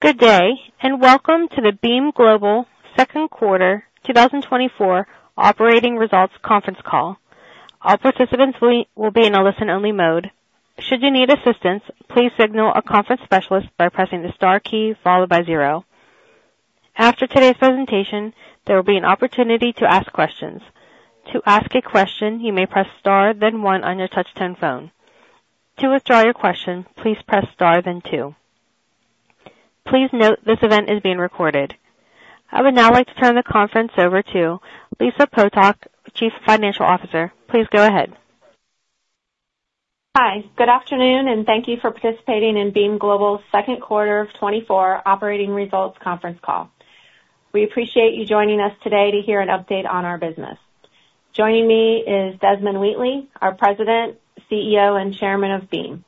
Good day, and welcome to the Beam Global Second Quarter 2024 Operating Results Conference Call. All participants will be in a listen-only mode. Should you need assistance, please signal a conference specialist by pressing the star key followed by zero. After today's presentation, there will be an opportunity to ask questions. To ask a question, you may press Star, then One on your touch-tone phone. To withdraw your question, please press Star, then Two. Please note, this event is being recorded. I would now like to turn the conference over to Lisa Potok, Chief Financial Officer. Please go ahead. Hi. Good afternoon, and thank you for participating in Beam Global's second quarter of 2024 operating results conference call. We appreciate you joining us today to hear an update on our business. Joining me is Desmond Wheatley, our President, CEO, and Chairman of Beam.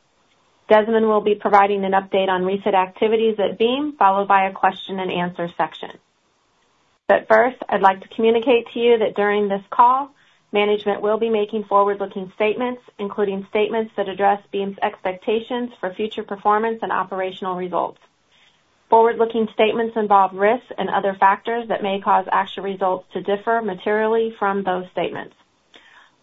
Desmond will be providing an update on recent activities at Beam, followed by a question and answer section. But first, I'd like to communicate to you that during this call, management will be making forward-looking statements, including statements that address Beam's expectations for future performance and operational results. Forward-looking statements involve risks and other factors that may cause actual results to differ materially from those statements.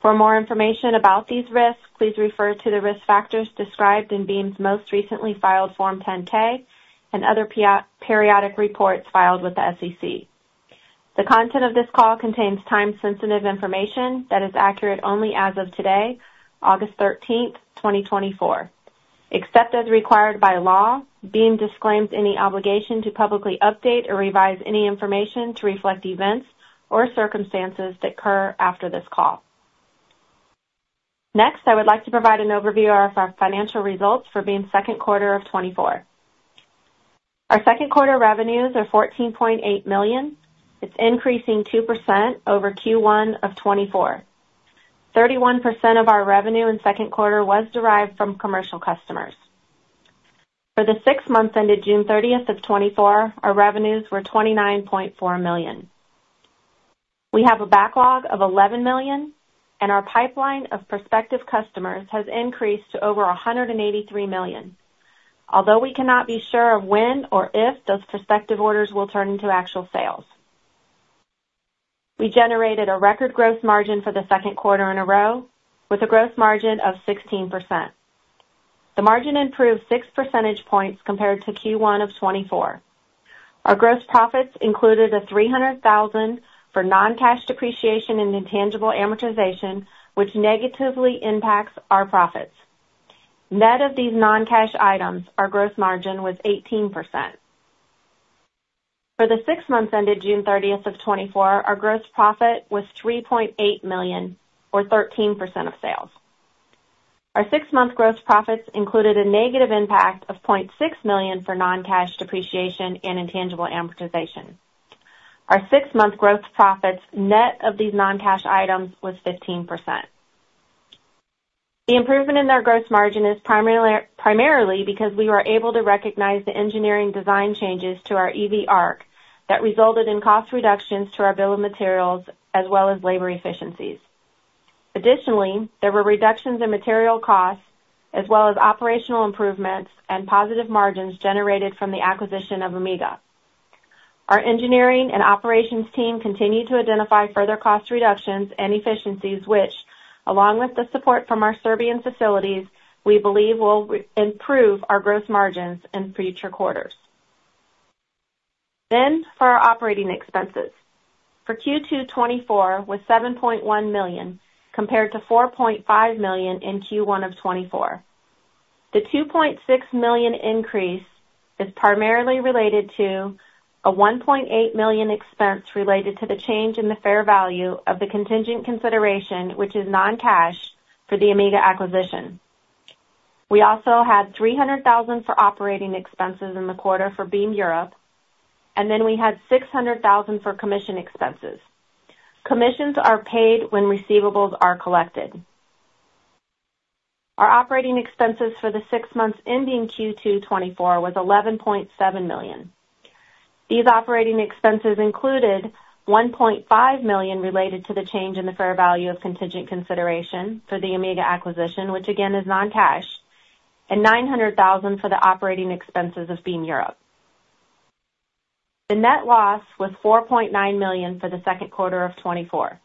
For more information about these risks, please refer to the risk factors described in Beam's most recently filed Form 10-K and other periodic reports filed with the SEC. The content of this call contains time-sensitive information that is accurate only as of today, August thirteenth, 2024. Except as required by law, Beam disclaims any obligation to publicly update or revise any information to reflect events or circumstances that occur after this call. Next, I would like to provide an overview of our financial results for Beam's second quarter of 2024. Our second quarter revenues are $14.8 million. It's increasing 2% over Q1 of 2024. 31% of our revenue in second quarter was derived from commercial customers. For the six months ended June thirtieth of 2024, our revenues were $29.4 million. We have a backlog of $11 million, and our pipeline of prospective customers has increased to over $183 million, although we cannot be sure of when or if those prospective orders will turn into actual sales. We generated a record gross margin for the second quarter in a row with a gross margin of 16%. The margin improved 6 percentage points compared to Q1 of 2024. Our gross profits included $300,000 for non-cash depreciation and intangible amortization, which negatively impacts our profits. Net of these non-cash items, our gross margin was 18%. For the six months ended June 30th of 2024, our gross profit was $3.8 million, or 13% of sales. Our six-month gross profits included a negative impact of $0.6 million for non-cash depreciation and intangible amortization. Our six-month gross profits, net of these non-cash items, was 15%. The improvement in our gross margin is primarily, primarily because we were able to recognize the engineering design changes to our EV ARC that resulted in cost reductions to our bill of materials as well as labor efficiencies. Additionally, there were reductions in material costs as well as operational improvements and positive margins generated from the acquisition of Amiga. Our engineering and operations team continued to identify further cost reductions and efficiencies, which, along with the support from our Serbian facilities, we believe will reimprove our gross margins in future quarters. Then for our operating expenses. For Q2 2024 was $7.1 million, compared to $4.5 million in Q1 of 2024. The $2.6 million increase is primarily related to a $1.8 million expense related to the change in the fair value of the contingent consideration, which is non-cash, for the Amiga acquisition. We also had $300,000 for operating expenses in the quarter for Beam Europe, and then we had $600,000 for commission expenses. Commissions are paid when receivables are collected. Our operating expenses for the six months ending Q2 2024 was $11.7 million. These operating expenses included $1.5 million related to the change in the fair value of contingent consideration for the Amiga acquisition, which again is non-cash, and $900,000 for the operating expenses of Beam Europe. The net loss was $4.9 million for the second quarter of 2024.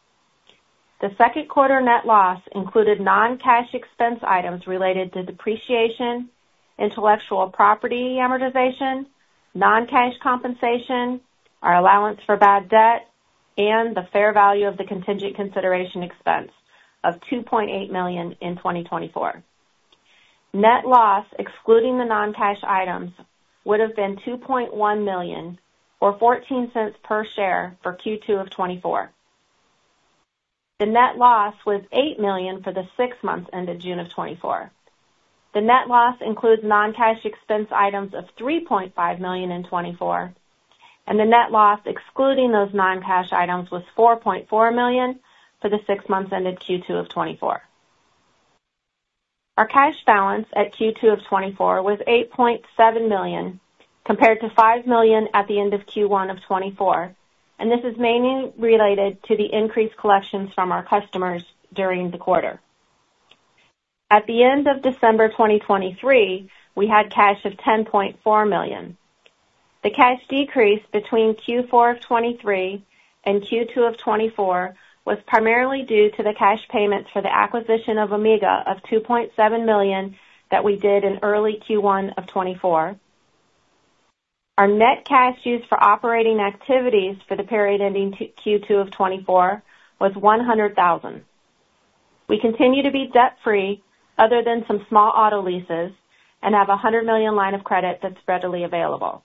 The second quarter net loss included non-cash expense items related to depreciation, intellectual property amortization, non-cash compensation, our allowance for bad debt, and the fair value of the contingent consideration expense of $2.8 million in 2024. Net loss, excluding the non-cash items, would have been $2.1 million, or $0.14 per share for Q2 of 2024. The net loss was $8 million for the six months ended June 2024. The net loss includes non-cash expense items of $3.5 million in 2024, and the net loss, excluding those non-cash items, was $4.4 million for the six months ended Q2 2024. Our cash balance at Q2 2024 was $8.7 million, compared to $5 million at the end of Q1 2024, and this is mainly related to the increased collections from our customers during the quarter. At the end of December 2023, we had cash of $10.4 million. The cash decrease between Q4 of 2023 and Q2 of 2024 was primarily due to the cash payments for the acquisition of Amiga of $2.7 million that we did in early Q1 of 2024. Our net cash used for operating activities for the period ending Q2 of 2024 was $100,000. We continue to be debt free, other than some small auto leases, and have a $100 million line of credit that's readily available.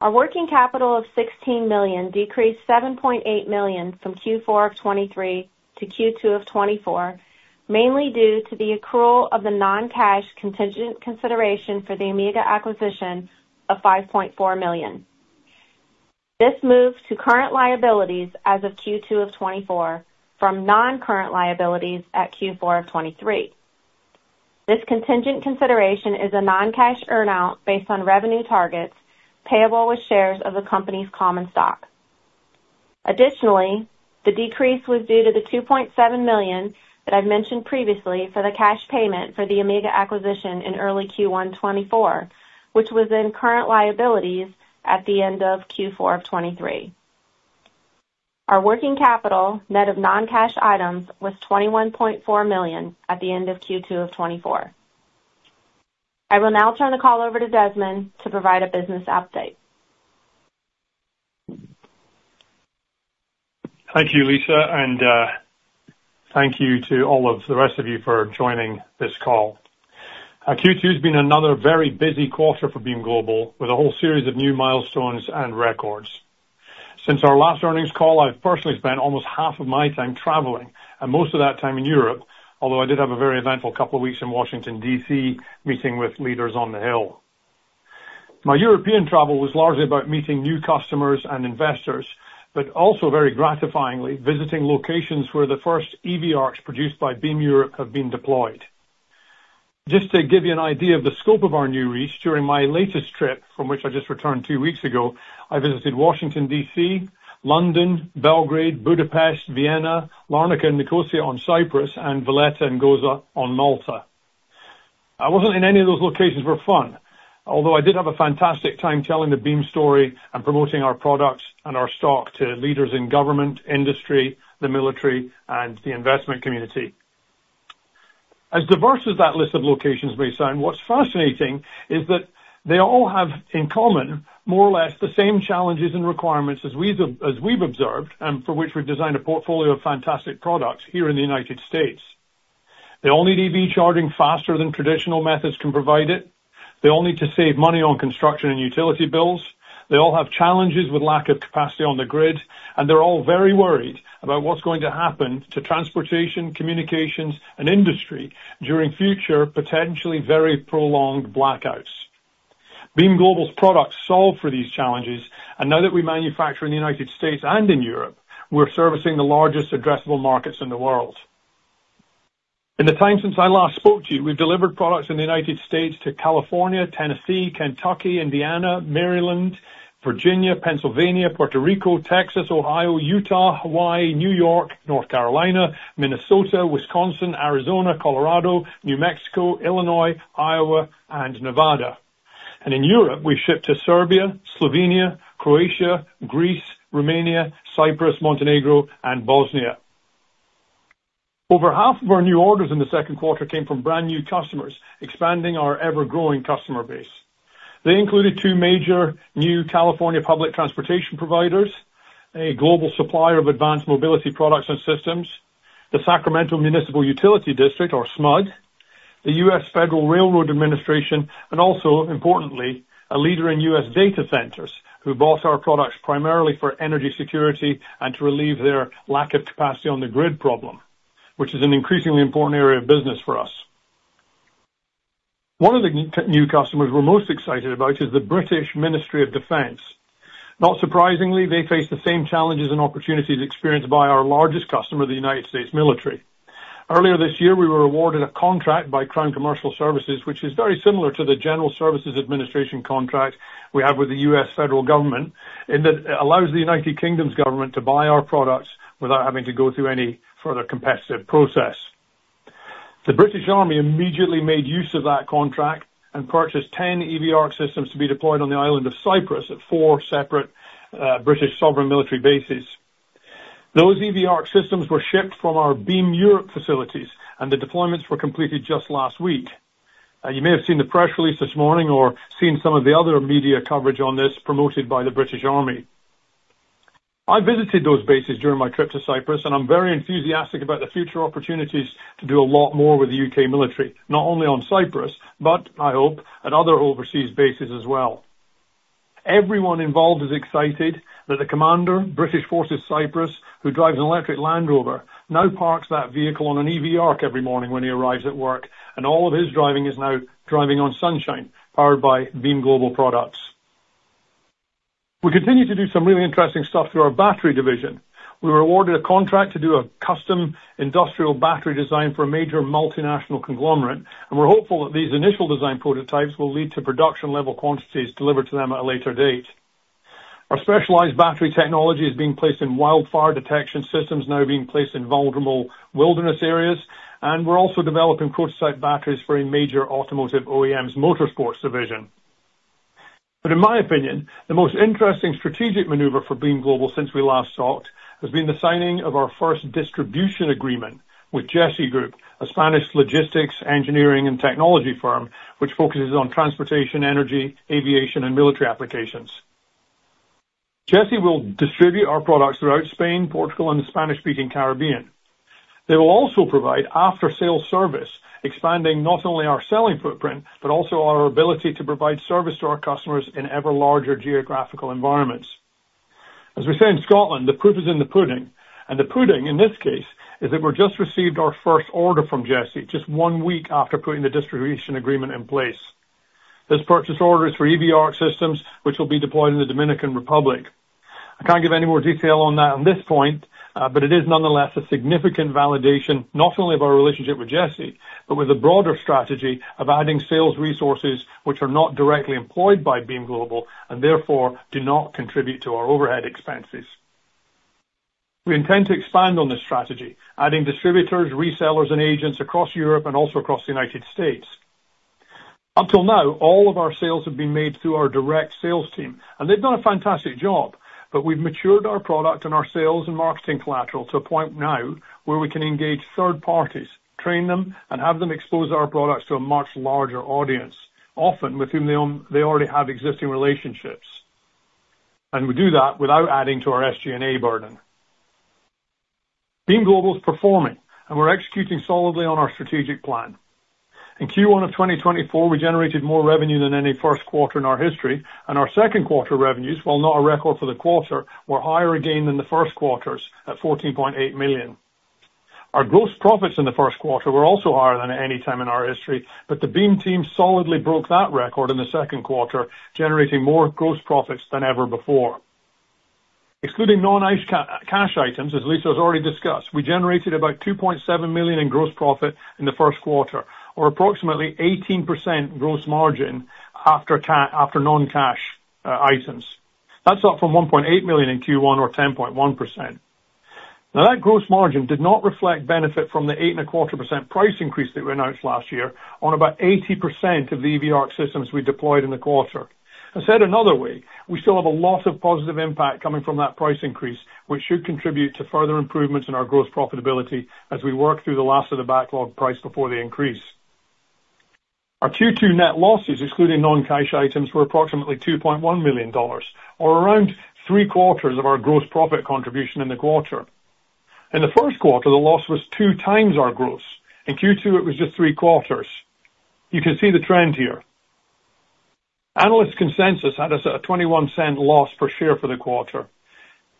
Our working capital of $16 million decreased $7.8 million from Q4 of 2023 to Q2 of 2024, mainly due to the accrual of the non-cash contingent consideration for the Amiga acquisition of $5.4 million. This moved to current liabilities as of Q2 of 2024 from non-current liabilities at Q4 of 2023. This contingent consideration is a non-cash earn out based on revenue targets payable with shares of the company's common stock. Additionally, the decrease was due to the $2.7 million that I mentioned previously for the cash payment for the Amiga acquisition in early Q1 2024, which was in current liabilities at the end of Q4 of 2023. Our working capital, net of non-cash items, was $21.4 million at the end of Q2 of 2024. I will now turn the call over to Desmond to provide a business update. Thank you, Lisa, and, thank you to all of the rest of you for joining this call. Q2 has been another very busy quarter for Beam Global, with a whole series of new milestones and records. Since our last earnings call, I've personally spent almost half of my time traveling and most of that time in Europe, although I did have a very eventful couple of weeks in Washington, D.C., meeting with leaders on the Hill. My European travel was largely about meeting new customers and investors, but also, very gratifyingly, visiting locations where the first EV ARCs produced by Beam Europe have been deployed. Just to give you an idea of the scope of our new reach, during my latest trip, from which I just returned two weeks ago, I visited Washington, D.C., London, Belgrade, Budapest, Vienna, Larnaca, and Nicosia on Cyprus, and Valletta and Gozo on Malta. I wasn't in any of those locations for fun, although I did have a fantastic time telling the Beam story and promoting our products and our stock to leaders in government, industry, the military, and the investment community. As diverse as that list of locations may sound, what's fascinating is that they all have in common, more or less, the same challenges and requirements as we've observed, and for which we've designed a portfolio of fantastic products here in the United States. They all need EV charging faster than traditional methods can provide it. They all need to save money on construction and utility bills. They all have challenges with lack of capacity on the grid, and they're all very worried about what's going to happen to transportation, communications, and industry during future, potentially very prolonged blackouts. Beam Global's products solve for these challenges, and now that we manufacture in the United States and in Europe, we're servicing the largest addressable markets in the world. In the time since I last spoke to you, we've delivered products in the United States to California, Tennessee, Kentucky, Indiana, Maryland, Virginia, Pennsylvania, Puerto Rico, Texas, Ohio, Utah, Hawaii, New York, North Carolina, Minnesota, Wisconsin, Arizona, Colorado, New Mexico, Illinois, Iowa, and Nevada. And in Europe, we've shipped to Serbia, Slovenia, Croatia, Greece, Romania, Cyprus, Montenegro, and Bosnia. Over half of our new orders in the second quarter came from brand-new customers, expanding our ever-growing customer base. They included two major new California public transportation providers, a global supplier of advanced mobility products and systems, the Sacramento Municipal Utility District, or SMUD, the U.S. Federal Railroad Administration, and also, importantly, a leader in U.S. data centers who bought our products primarily for energy security and to relieve their lack of capacity on the grid problem, which is an increasingly important area of business for us. One of the new customers we're most excited about is the British Ministry of Defence. Not surprisingly, they face the same challenges and opportunities experienced by our largest customer, the United States Military. Earlier this year, we were awarded a contract by Crown Commercial Service, which is very similar to the General Services Administration contract we have with the U.S. federal government, in that it allows the United Kingdom's government to buy our products without having to go through any further competitive process. The British Army immediately made use of that contract and purchased 10 EV ARC systems to be deployed on the island of Cyprus at four separate British sovereign military bases. Those EV ARC systems were shipped from our Beam Europe facilities, and the deployments were completed just last week. You may have seen the press release this morning or seen some of the other media coverage on this promoted by the British Army. I visited those bases during my trip to Cyprus, and I'm very enthusiastic about the future opportunities to do a lot more with the UK military, not only on Cyprus, but I hope, at other overseas bases as well. Everyone involved is excited that the commander, British Forces Cyprus, who drives an electric Land Rover, now parks that vehicle on an EV ARC every morning when he arrives at work, and all of his driving is now driving on sunshine, powered by Beam Global products. We continue to do some really interesting stuff through our battery division. We were awarded a contract to do a custom industrial battery design for a major multinational conglomerate, and we're hopeful that these initial design prototypes will lead to production-level quantities delivered to them at a later date. Our specialized battery technology is being placed in wildfire detection systems, now being placed in vulnerable wilderness areas, and we're also developing prototype batteries for a major automotive OEM's motorsports division. But in my opinion, the most interesting strategic maneuver for Beam Global since we last talked, has been the signing of our first distribution agreement with GE S&T, a Spanish logistics, engineering, and technology firm, which focuses on transportation, energy, aviation, and military applications. GE S&T will distribute our products throughout Spain, Portugal, and the Spanish-speaking Caribbean. They will also provide after-sale service, expanding not only our selling footprint, but also our ability to provide service to our customers in ever larger geographical environments. As we say in Scotland, the proof is in the pudding, and the pudding, in this case, is that we're just received our first order from GE S&T, just one week after putting the distribution agreement in place. This purchase order is for EV ARC systems, which will be deployed in the Dominican Republic. I can't give any more detail on that at this point, but it is nonetheless a significant validation, not only of our relationship with GE S&T, but with a broader strategy of adding sales resources which are not directly employed by Beam Global, and therefore, do not contribute to our overhead expenses. We intend to expand on this strategy, adding distributors, resellers, and agents across Europe and also across the United States. Up till now, all of our sales have been made through our direct sales team, and they've done a fantastic job, but we've matured our product and our sales and marketing collateral to a point now where we can engage third parties, train them, and have them expose our products to a much larger audience, often with whom they already have existing relationships. We do that without adding to our SG&A burden. Beam Global is performing, and we're executing solidly on our strategic plan. In Q1 of 2024, we generated more revenue than any first quarter in our history, and our second quarter revenues, while not a record for the quarter, were higher again than the first quarters at $14.8 million. Our gross profits in the first quarter were also higher than at any time in our history, but the Beam team solidly broke that record in the second quarter, generating more gross profits than ever before. Excluding non-cash items, as Lisa has already discussed, we generated about $2.7 million in gross profit in the first quarter, or approximately 18% gross margin after non-cash items. That's up from $1.8 million in Q1 or 10.1%. Now, that gross margin did not reflect benefit from the 8.25% price increase that we announced last year on about 80% of the EV ARC systems we deployed in the quarter. I said another way, we still have a lot of positive impact coming from that price increase, which should contribute to further improvements in our gross profitability as we work through the last of the backlog price before the increase. Our Q2 net losses, excluding non-cash items, were approximately $2.1 million, or around three quarters of our gross profit contribution in the quarter. In the first quarter, the loss was two times our gross. In Q2, it was just three quarters. You can see the trend here. Analyst consensus had us at a $0.21 loss per share for the quarter.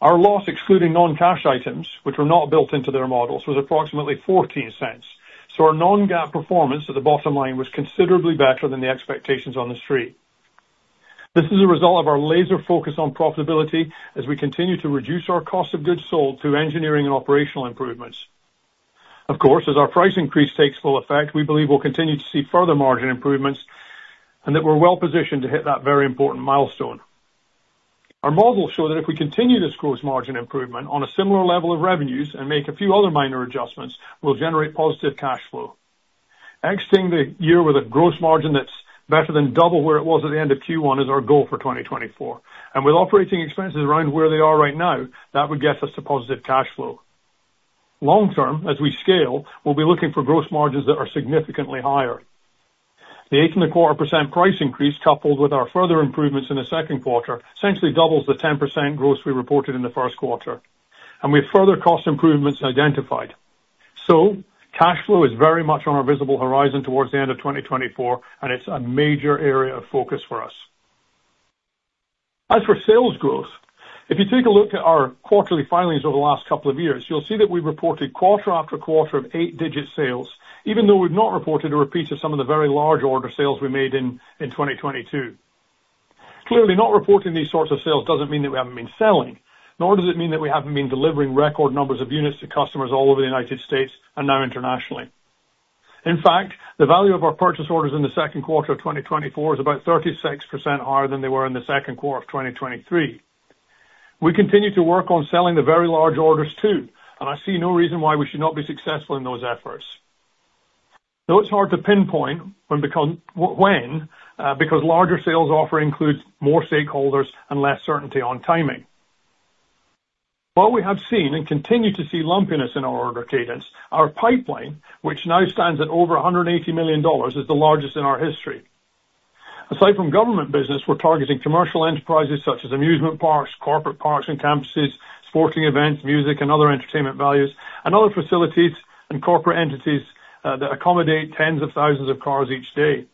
Our loss, excluding non-cash items, which were not built into their models, was approximately $0.14. So our non-GAAP performance at the bottom line was considerably better than the expectations on the street. This is a result of our laser focus on profitability as we continue to reduce our cost of goods sold through engineering and operational improvements. Of course, as our price increase takes full effect, we believe we'll continue to see further margin improvements and that we're well positioned to hit that very important milestone. Our models show that if we continue this gross margin improvement on a similar level of revenues and make a few other minor adjustments, we'll generate positive cash flow. Exiting the year with a gross margin that's better than double where it was at the end of Q1 is our goal for 2024, and with operating expenses around where they are right now, that would get us to positive cash flow. Long term, as we scale, we'll be looking for gross margins that are significantly higher. The 8.25% price increase, coupled with our further improvements in the second quarter, essentially doubles the 10% gross we reported in the first quarter, and we have further cost improvements identified. So cash flow is very much on our visible horizon towards the end of 2024, and it's a major area of focus for us. As for sales growth, if you take a look at our quarterly filings over the last couple of years, you'll see that we've reported quarter after quarter of eight-digit sales, even though we've not reported a repeat of some of the very large order sales we made in 2022. Clearly, not reporting these sorts of sales doesn't mean that we haven't been selling, nor does it mean that we haven't been delivering record numbers of units to customers all over the United States and now internationally. In fact, the value of our purchase orders in the second quarter of 2024 is about 36% higher than they were in the second quarter of 2023. We continue to work on selling the very large orders, too, and I see no reason why we should not be successful in those efforts. Though it's hard to pinpoint when, because larger sales often includes more stakeholders and less certainty on timing. While we have seen and continue to see lumpiness in our order cadence, our pipeline, which now stands at over $180 million, is the largest in our history. Aside from government business, we're targeting commercial enterprises such as amusement parks, corporate parks and campuses, sporting events, music and other entertainment venues, and other facilities and corporate entities that accommodate tens of thousands of cars each day.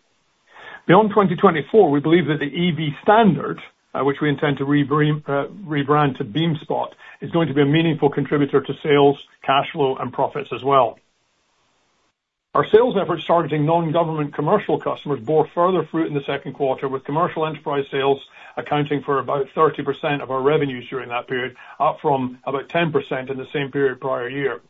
Beyond 2024, we believe that the EV Standard, which we intend to rebrand to BeamSpot, is going to be a meaningful contributor to sales, cash flow, and profits as well. Our sales efforts targeting non-government commercial customers bore further fruit in the second quarter, with commercial enterprise sales accounting for about 30% of our revenues during that period, up from about 10% in the same period prior year.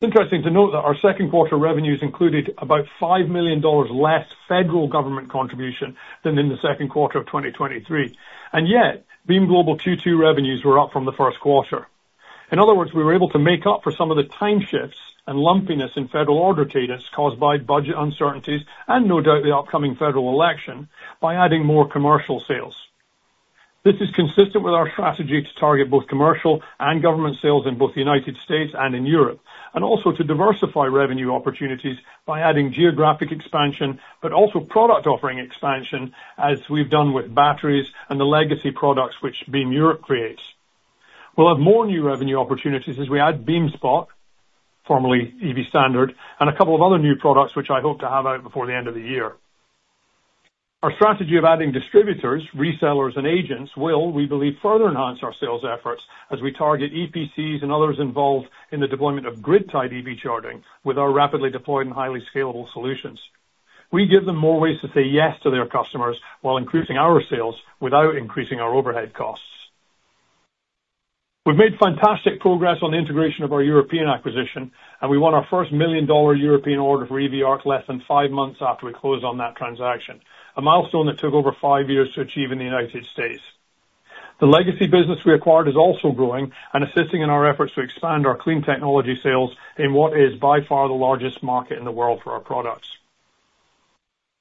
It's interesting to note that our second quarter revenues included about $5 million less federal government contribution than in the second quarter of 2023, and yet, Beam Global Q2 revenues were up from the first quarter. In other words, we were able to make up for some of the time shifts and lumpiness in federal order cadence caused by budget uncertainties, and no doubt, the upcoming federal election, by adding more commercial sales. This is consistent with our strategy to target both commercial and government sales in both the United States and in Europe, and also to diversify revenue opportunities by adding geographic expansion, but also product offering expansion, as we've done with batteries and the legacy products which Beam Europe creates. We'll have more new revenue opportunities as we add BeamSpot, formerly EV Standard, and a couple of other new products, which I hope to have out before the end of the year. Our strategy of adding distributors, resellers, and agents will, we believe, further enhance our sales efforts as we target EPCs and others involved in the deployment of grid-tied EV charging with our rapidly deployed and highly scalable solutions. We give them more ways to say yes to their customers while increasing our sales without increasing our overhead costs. We've made fantastic progress on the integration of our European acquisition, and we won our first million-dollar European order for EV ARC less than five months after we closed on that transaction, a milestone that took over five years to achieve in the United States. The legacy business we acquired is also growing and assisting in our efforts to expand our clean technology sales in what is by far the largest market in the world for our products.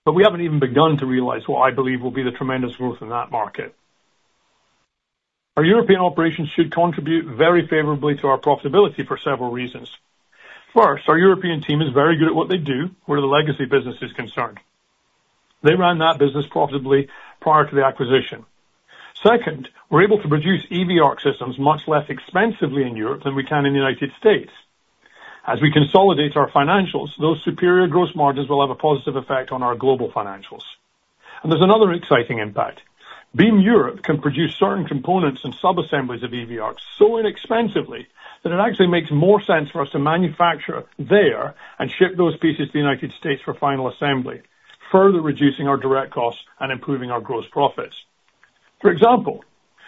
But we haven't even begun to realize what I believe will be the tremendous growth in that market. Our European operations should contribute very favorably to our profitability for several reasons. First, our European team is very good at what they do where the legacy business is concerned. They ran that business profitably prior to the acquisition. Second, we're able to produce EV ARC systems much less expensively in Europe than we can in the United States. As we consolidate our financials, those superior gross margins will have a positive effect on our global financials. There's another exciting impact. Beam Europe can produce certain components and subassemblies of EV ARC so inexpensively that it actually makes more sense for us to manufacture there and ship those pieces to the United States for final assembly, further reducing our direct costs and improving our gross profits. For example,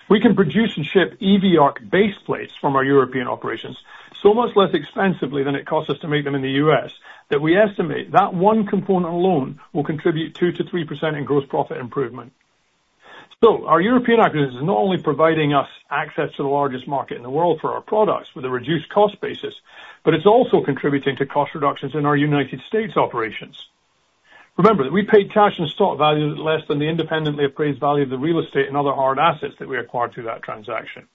we can produce and ship EV ARC base plates from our European operations so much less expensively than it costs us to make them in the US, that we estimate that one component alone will contribute 2%-3% in gross profit improvement. So our European acquisition is not only providing us access to the largest market in the world for our products with a reduced cost basis, but it's also contributing to cost reductions in our United States operations. Remember, that we paid cash and stock valued at less than the independently appraised value of the real estate and other hard assets that we acquired through that transaction.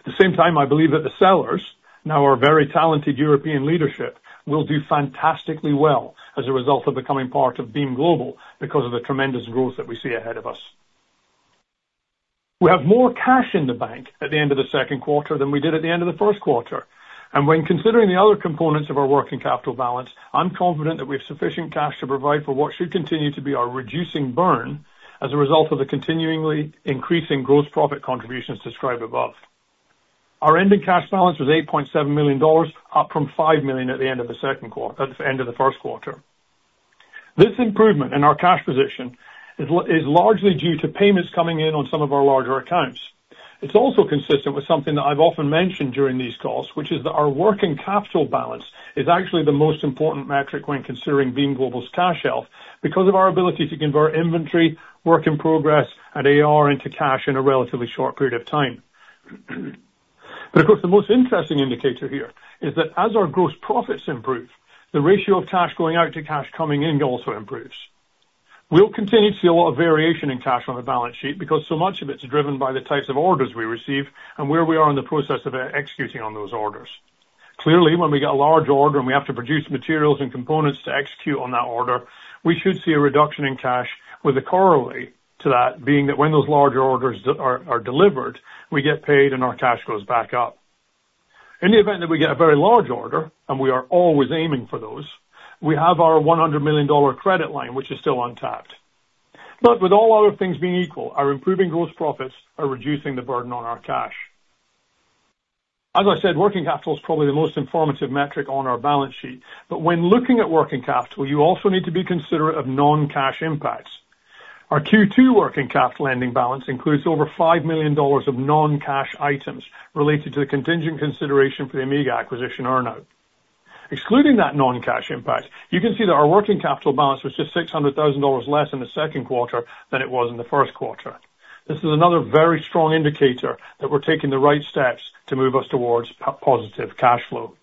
At the same time, I believe that the sellers, now our very talented European leadership, will do fantastically well as a result of becoming part of Beam Global because of the tremendous growth that we see ahead of us. We have more cash in the bank at the end of the second quarter than we did at the end of the first quarter, and when considering the other components of our working capital balance, I'm confident that we have sufficient cash to provide for what should continue to be our reducing burn as a result of the continuingly increasing gross profit contributions described above. Our ending cash balance was $8.7 million, up from $5 million at the end of the second quarter - at the end of the first quarter. This improvement in our cash position is largely due to payments coming in on some of our larger accounts. It's also consistent with something that I've often mentioned during these calls, which is that our working capital balance is actually the most important metric when considering Beam Global's cash health, because of our ability to convert inventory, work in progress, and AR into cash in a relatively short period of time. But of course, the most interesting indicator here is that as our gross profits improve, the ratio of cash going out to cash coming in also improves. We'll continue to see a lot of variation in cash on the balance sheet because so much of it's driven by the types of orders we receive and where we are in the process of executing on those orders. Clearly, when we get a large order and we have to produce materials and components to execute on that order, we should see a reduction in cash, with a corollary to that being that when those larger orders are delivered, we get paid and our cash goes back up. In the event that we get a very large order, and we are always aiming for those, we have our $100 million credit line, which is still untapped. But with all other things being equal, our improving gross profits are reducing the burden on our cash. As I said, working capital is probably the most informative metric on our balance sheet, but when looking at working capital, you also need to be considerate of non-cash impacts. Our Q2 working capital ending balance includes over $5 million of non-cash items related to the contingent consideration for the Amiga acquisition earn-out. Excluding that non-cash impact, you can see that our working capital balance was just $600,000 less in the second quarter than it was in the first quarter. This is another very strong indicator that we're taking the right steps to move us towards positive cash flow.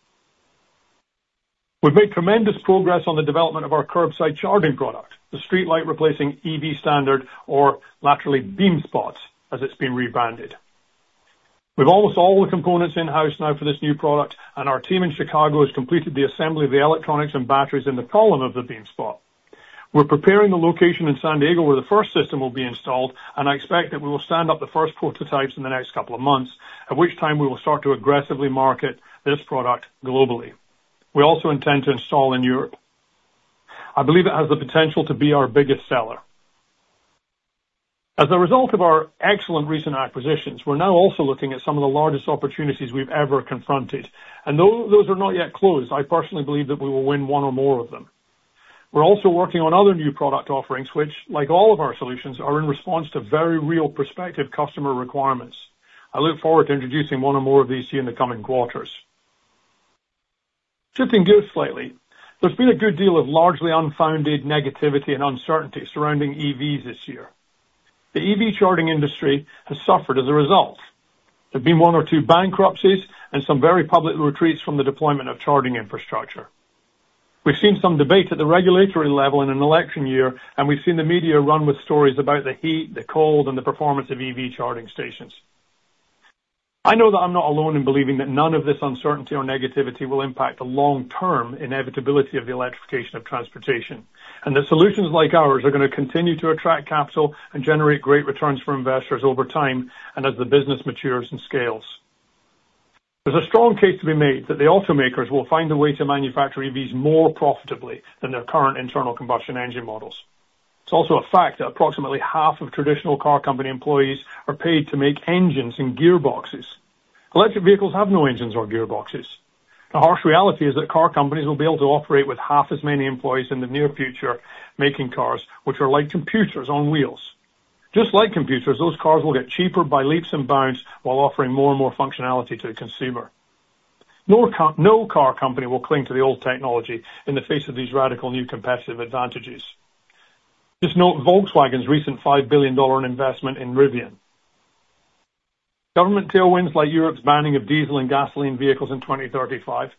We've made tremendous progress on the development of our curbside charging product, the streetlight replacing EV Standard, formerly BeamSpot, as it's been rebranded. With almost all the components in-house now for this new product, and our team in Chicago has completed the assembly of the electronics and batteries in the column of the BeamSpot. We're preparing the location in San Diego, where the first system will be installed, and I expect that we will stand up the first prototypes in the next couple of months, at which time we will start to aggressively market this product globally. We also intend to install in Europe. I believe it has the potential to be our biggest seller. As a result of our excellent recent acquisitions, we're now also looking at some of the largest opportunities we've ever confronted, and though those are not yet closed, I personally believe that we will win one or more of them... We're also working on other new product offerings, which, like all of our solutions, are in response to very real prospective customer requirements. I look forward to introducing one or more of these to you in the coming quarters. Shifting gears slightly, there's been a good deal of largely unfounded negativity and uncertainty surrounding EVs this year. The EV charging industry has suffered as a result. There have been one or two bankruptcies and some very public retreats from the deployment of charging infrastructure. We've seen some debate at the regulatory level in an election year, and we've seen the media run with stories about the heat, the cold, and the performance of EV charging stations. I know that I'm not alone in believing that none of this uncertainty or negativity will impact the long-term inevitability of the electrification of transportation, and that solutions like ours are gonna continue to attract capital and generate great returns for investors over time and as the business matures and scales. There's a strong case to be made that the automakers will find a way to manufacture EVs more profitably than their current internal combustion engine models. It's also a fact that approximately half of traditional car company employees are paid to make engines and gearboxes. Electric vehicles have no engines or gearboxes. The harsh reality is that car companies will be able to operate with half as many employees in the near future, making cars, which are like computers on wheels. Just like computers, those cars will get cheaper by leaps and bounds while offering more and more functionality to the consumer. No car, no car company will cling to the old technology in the face of these radical new competitive advantages. Just note Volkswagen's recent $5 billion investment in Rivian. Government tailwinds, like Europe's banning of diesel and gasoline vehicles in 2035,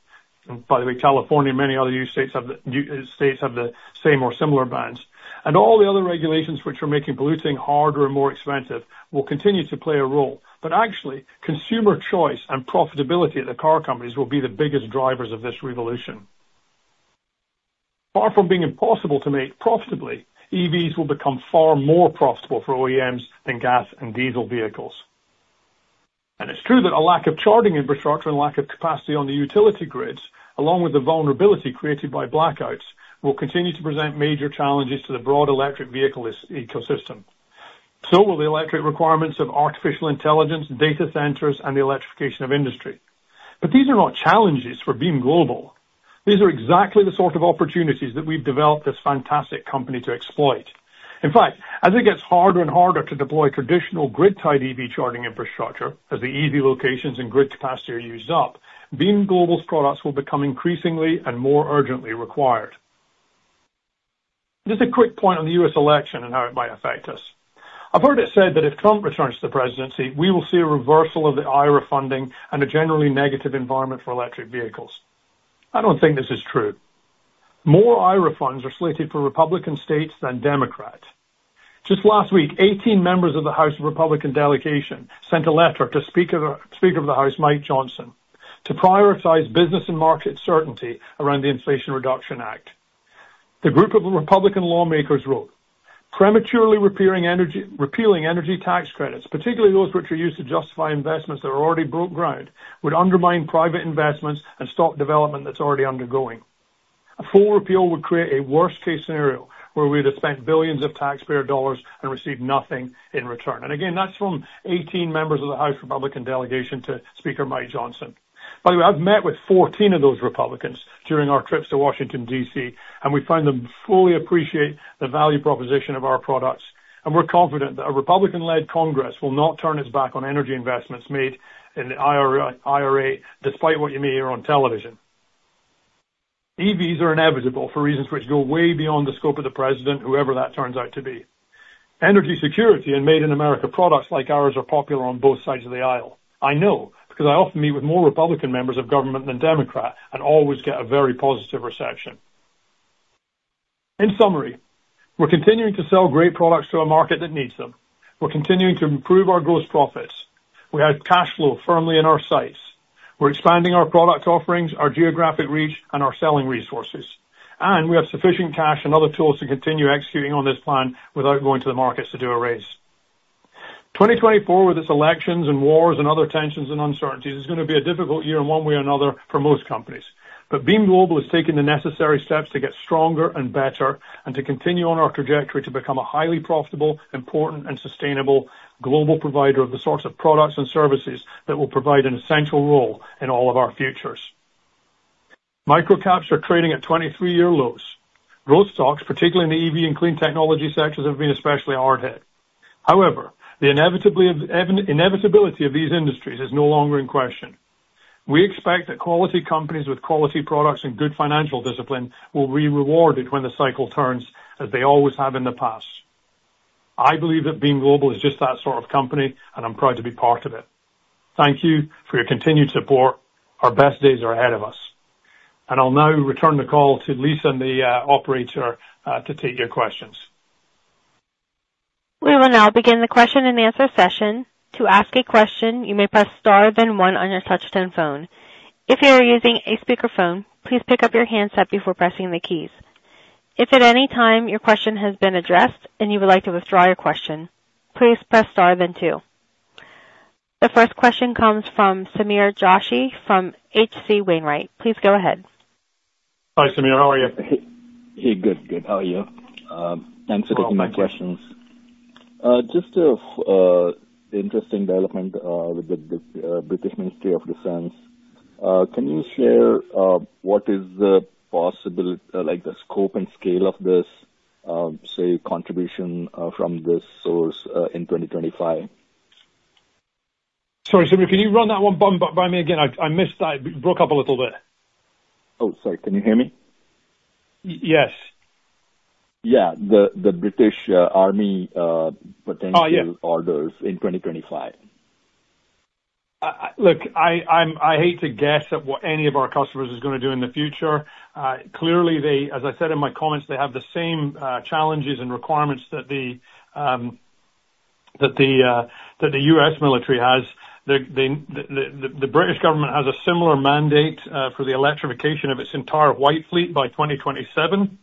and by the way, California and many other US states have the new states have the same or similar bans, and all the other regulations which are making polluting harder and more expensive, will continue to play a role. But actually, consumer choice and profitability of the car companies will be the biggest drivers of this revolution. Far from being impossible to make profitably, EVs will become far more profitable for OEMs than gas and diesel vehicles. And it's true that a lack of charging infrastructure and lack of capacity on the utility grids, along with the vulnerability created by blackouts, will continue to present major challenges to the broad electric vehicle ecosystem. So will the electric requirements of artificial intelligence, data centers, and the electrification of industry. But these are not challenges for Beam Global. These are exactly the sort of opportunities that we've developed this fantastic company to exploit. In fact, as it gets harder and harder to deploy traditional grid-tied EV charging infrastructure, as the EV locations and grid capacity are used up, Beam Global's products will become increasingly and more urgently required. Just a quick point on the U.S. election and how it might affect us. I've heard it said that if Trump returns to the presidency, we will see a reversal of the IRA funding and a generally negative environment for electric vehicles. I don't think this is true. More IRA funds are slated for Republican states than Democrat. Just last week, 18 members of the House of Republican Delegation sent a letter to Speaker, Speaker of the House, Mike Johnson, to prioritize business and market certainty around the Inflation Reduction Act. The group of Republican lawmakers wrote, "Prematurely repealing energy, repealing energy tax credits, particularly those which are used to justify investments that are already broke ground, would undermine private investments and stop development that's already undergoing. A full repeal would create a worst case scenario where we'd have spent billions of taxpayer dollars and received nothing in return." And again, that's from 18 members of the House Republican Delegation to Speaker Mike Johnson. By the way, I've met with 14 of those Republicans during our trips to Washington, D.C., and we find them fully appreciate the value proposition of our products, and we're confident that a Republican-led Congress will not turn its back on energy investments made in the IRA, despite what you may hear on television. EVs are inevitable for reasons which go way beyond the scope of the president, whoever that turns out to be. Energy security and Made in America products like ours are popular on both sides of the aisle. I know, because I often meet with more Republican members of government than Democrat and always get a very positive reception. In summary, we're continuing to sell great products to a market that needs them. We're continuing to improve our gross profits. We have cash flow firmly in our sights. We're expanding our product offerings, our geographic reach, and our selling resources, and we have sufficient cash and other tools to continue executing on this plan without going to the markets to do a raise. 2024, with its elections and wars and other tensions and uncertainties, is gonna be a difficult year in one way or another for most companies. But Beam Global has taken the necessary steps to get stronger and better and to continue on our trajectory to become a highly profitable, important, and sustainable global provider of the sorts of products and services that will provide an essential role in all of our futures. Microcaps are trading at 23-year lows. Growth stocks, particularly in the EV and clean technology sectors, have been especially hard hit. However, the inevitability of these industries is no longer in question. We expect that quality companies with quality products and good financial discipline will be rewarded when the cycle turns, as they always have in the past. I believe that Beam Global is just that sort of company, and I'm proud to be part of it. Thank you for your continued support. Our best days are ahead of us. I'll now return the call to Lisa and the operator to take your questions. We will now begin the question-and-answer session. To ask a question, you may press star, then one on your touchtone phone. If you are using a speakerphone, please pick up your handset before pressing the keys. If at any time your question has been addressed and you would like to withdraw your question, please press star then two. The first question comes from Sameer Joshi from H.C. Wainwright. Please go ahead. Hi, Sameer. How are you? Hey, good. Good. How are you? Thanks for taking my questions. Just one interesting development with the British Ministry of Defence, can you share what is the possibility, like the scope and scale of this, say, contribution from this source in 2025? Sorry, Sameer, can you run that one by me again? I missed that. It broke up a little bit. Oh, sorry. Can you hear me? Y-yes. Yeah, the British Army potential- Oh, yeah. orders in 2025. Look, I hate to guess at what any of our customers is gonna do in the future. Clearly, they, as I said in my comments, they have the same challenges and requirements that the US military has. The British government has a similar mandate for the electrification of its entire White Fleet by 2027.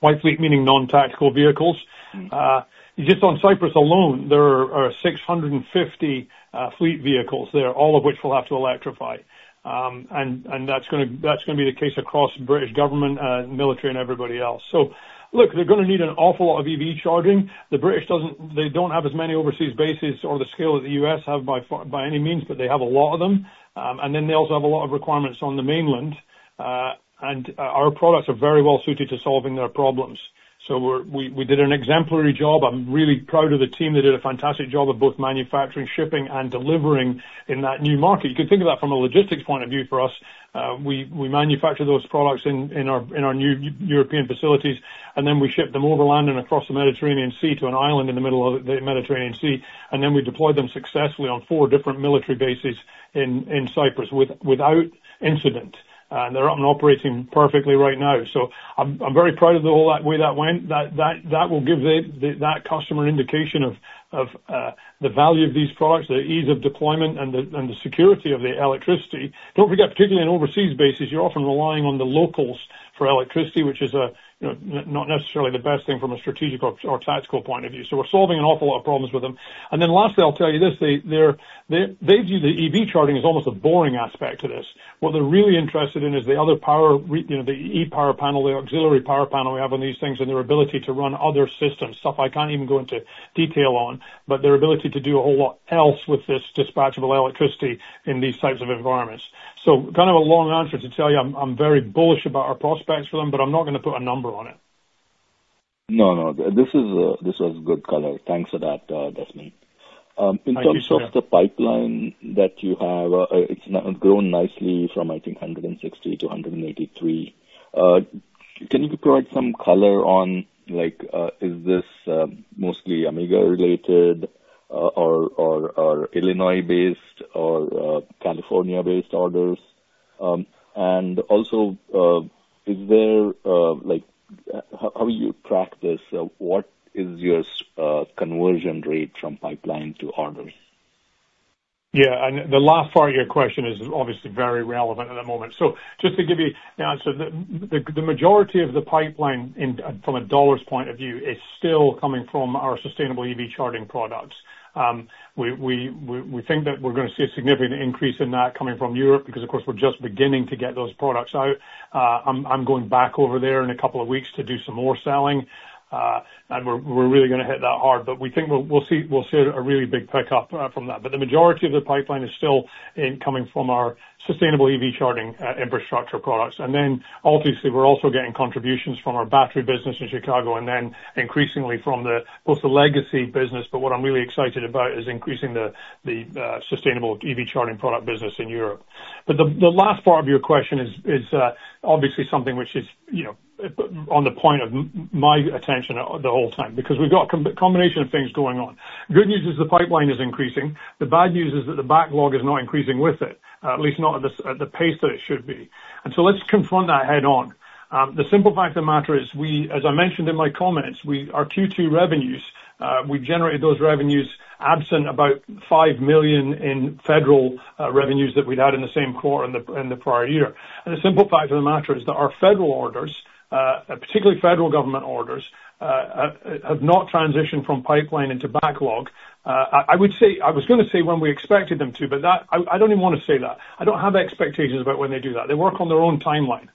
White Fleet meaning non-tactical vehicles. Mm-hmm. Just on Cyprus alone, there are 650 fleet vehicles there, all of which will have to electrify. And that's gonna be the case across British government, military and everybody else. So look, they're gonna need an awful lot of EV charging. The British don't have as many overseas bases or the scale that the U.S. have by far, by any means, but they have a lot of them. And then they also have a lot of requirements on the mainland, and our products are very well suited to solving their problems. So we did an exemplary job. I'm really proud of the team. They did a fantastic job of both manufacturing, shipping, and delivering in that new market. You can think of that from a logistics point of view for us. We manufacture those products in our new European facilities, and then we ship them over land and across the Mediterranean Sea to an island in the middle of the Mediterranean Sea, and then we deploy them successfully on four different military bases in Cyprus, without incident. And they're up and operating perfectly right now. So I'm very proud of the whole way that went. That will give that customer an indication of the value of these products, the ease of deployment, and the security of the electricity. Don't forget, particularly on overseas bases, you're often relying on the locals for electricity, which is a, you know, not necessarily the best thing from a strategic or tactical point of view. So we're solving an awful lot of problems with them. And then lastly, I'll tell you this, they view the EV charging as almost a boring aspect to this. What they're really interested in is the other power, you know, the e-power panel, the auxiliary power panel we have on these things, and their ability to run other systems, stuff I can't even go into detail on. But their ability to do a whole lot else with this dispatchable electricity in these types of environments. So kind of a long answer to tell you, I'm very bullish about our prospects for them, but I'm not gonna put a number on it. No, no, this is, this was good color. Thanks for that, Desmond. I appreciate it. In terms of the pipeline that you have, it's now grown nicely from, I think, 160 to 183. Can you provide some color on like, is this mostly Amiga related, or, or, or Illinois based or, California based orders? And also, is there like, how you track this? What is your conversion rate from pipeline to orders? Yeah, and the last part of your question is obviously very relevant at the moment. So just to give you the answer, the majority of the pipeline in, from a dollars point of view, is still coming from our sustainable EV charging products. We think that we're gonna see a significant increase in that coming from Europe, because, of course, we're just beginning to get those products out. I'm going back over there in a couple of weeks to do some more selling, and we're really gonna hit that hard. But we think we'll see a really big pickup from that. But the majority of the pipeline is still incoming from our sustainable EV charging infrastructure products. And then obviously, we're also getting contributions from our battery business in Chicago, and then increasingly from both the legacy business, but what I'm really excited about is increasing the sustainable EV charging product business in Europe. But the last part of your question is obviously something which is, you know, on the point of my attention the whole time, because we've got combination of things going on. Good news is the pipeline is increasing. The bad news is that the backlog is not increasing with it, at least not at the pace that it should be. And so let's confront that head on. The simple fact of the matter is, we, as I mentioned in my comments, we, our Q2 revenues, we generated those revenues absent about $5 million in federal revenues that we'd had in the same quarter in the prior year. The simple fact of the matter is that our federal orders, particularly federal government orders, have not transitioned from pipeline into backlog. I would say—I was gonna say when we expected them to, but that... I don't even want to say that. I don't have expectations about when they do that. They work on their own timeline.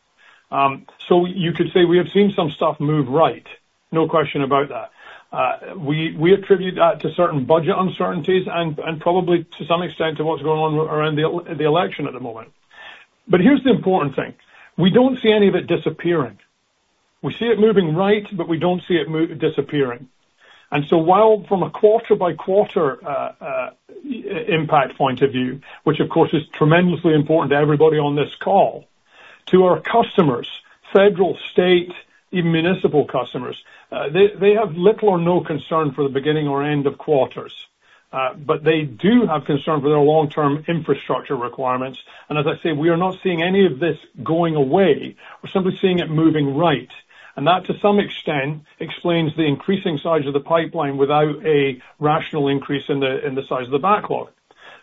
So you could say we have seen some stuff move right. No question about that. We attribute that to certain budget uncertainties and probably to some extent to what's going on around the election at the moment. But here's the important thing: We don't see any of it disappearing. We see it moving right, but we don't see it disappearing. And so while from a quarter by quarter impact point of view, which of course is tremendously important to everybody on this call, to our customers, federal, state, even municipal customers, they have little or no concern for the beginning or end of quarters. But they do have concern for their long-term infrastructure requirements, and as I say, we are not seeing any of this going away. We're simply seeing it moving right. That, to some extent, explains the increasing size of the pipeline without a rational increase in the size of the backlog.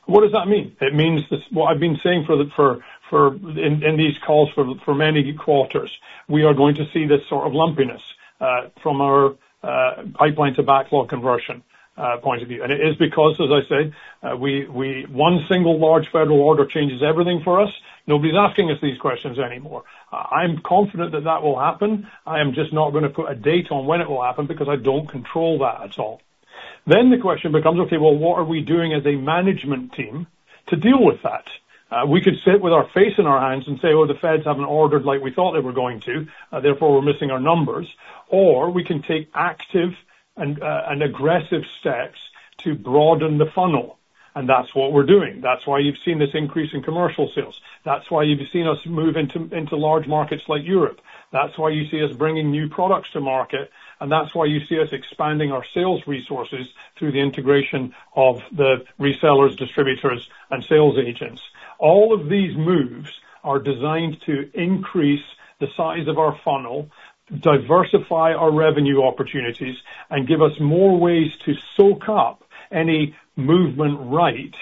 What does that mean? It means this, what I've been saying for these calls for many quarters, we are going to see this sort of lumpiness from our pipeline to backlog conversion point of view. And it is because, as I said, one single large federal order changes everything for us. Nobody's asking us these questions anymore. I'm confident that that will happen. I am just not gonna put a date on when it will happen, because I don't control that at all.... Then the question becomes, okay, well, what are we doing as a management team to deal with that? We could sit with our face in our hands and say, "Well, the Feds haven't ordered like we thought they were going to, therefore, we're missing our numbers," or we can take active and aggressive steps to broaden the funnel, and that's what we're doing. That's why you've seen this increase in commercial sales. That's why you've seen us move into large markets like Europe. That's why you see us bringing new products to market, and that's why you see us expanding our sales resources through the integration of the resellers, distributors, and sales agents. All of these moves are designed to increase the size of our funnel, diversify our revenue opportunities, and give us more ways to soak up any movement right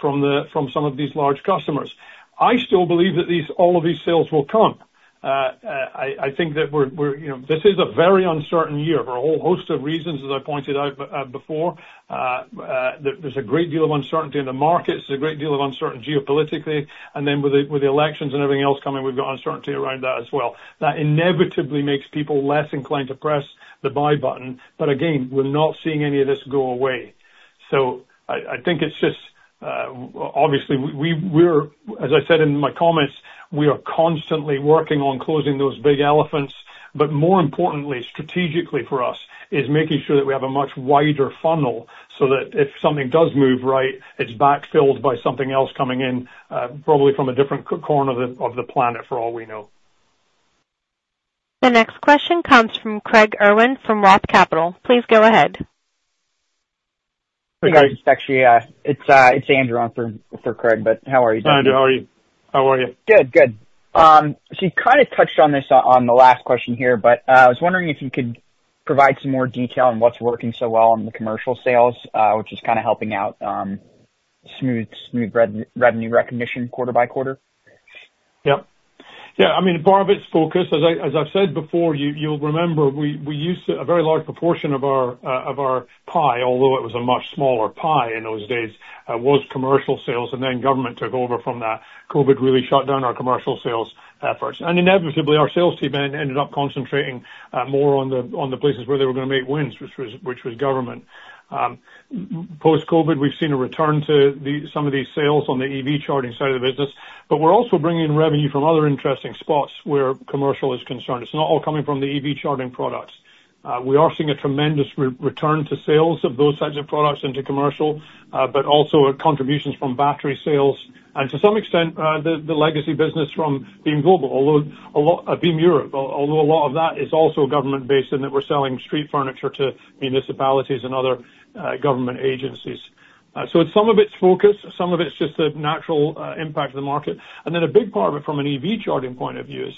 from some of these large customers. I still believe that all of these sales will come. I think that we're, you know, this is a very uncertain year for a whole host of reasons, as I pointed out before. There’s a great deal of uncertainty in the markets, there’s a great deal of uncertainty geopolitically, and then with the elections and everything else coming, we’ve got uncertainty around that as well. That inevitably makes people less inclined to press the buy button. But again, we’re not seeing any of this go away. So I think it’s just... Obviously, as I said in my comments, we are constantly working on closing those big elephants, but more importantly, strategically for us, is making sure that we have a much wider funnel, so that if something does move right, it's backfilled by something else coming in, probably from a different corner of the planet, for all we know. The next question comes from Craig Irwin from Roth Capital. Please go ahead. Hey, guys. It's actually Andrew on for Craig, but how are you? Fine, how are you? How are you? Good, good. So you kind of touched on this on, on the last question here, but I was wondering if you could provide some more detail on what's working so well in the commercial sales, which is kind of helping out smooth revenue recognition quarter by quarter. Yep. Yeah, I mean, part of its focus. As I've said before, you'll remember, we used a very large proportion of our pie, although it was a much smaller pie in those days, was commercial sales, and then government took over from that. COVID really shut down our commercial sales efforts. Inevitably, our sales team ended up concentrating more on the places where they were gonna make wins, which was government. Post-COVID, we've seen a return to some of these sales on the EV charging side of the business, but we're also bringing in revenue from other interesting spots where commercial is concerned. It's not all coming from the EV charging products. We are seeing a tremendous return to sales of those types of products into commercial, but also contributions from battery sales, and to some extent, the legacy business from Beam Global, although a lot, Beam Europe, although a lot of that is also government-based in that we're selling street furniture to municipalities and other government agencies. So some of it's focus, some of it's just the natural impact of the market. And then a big part of it from an EV charging point of view is,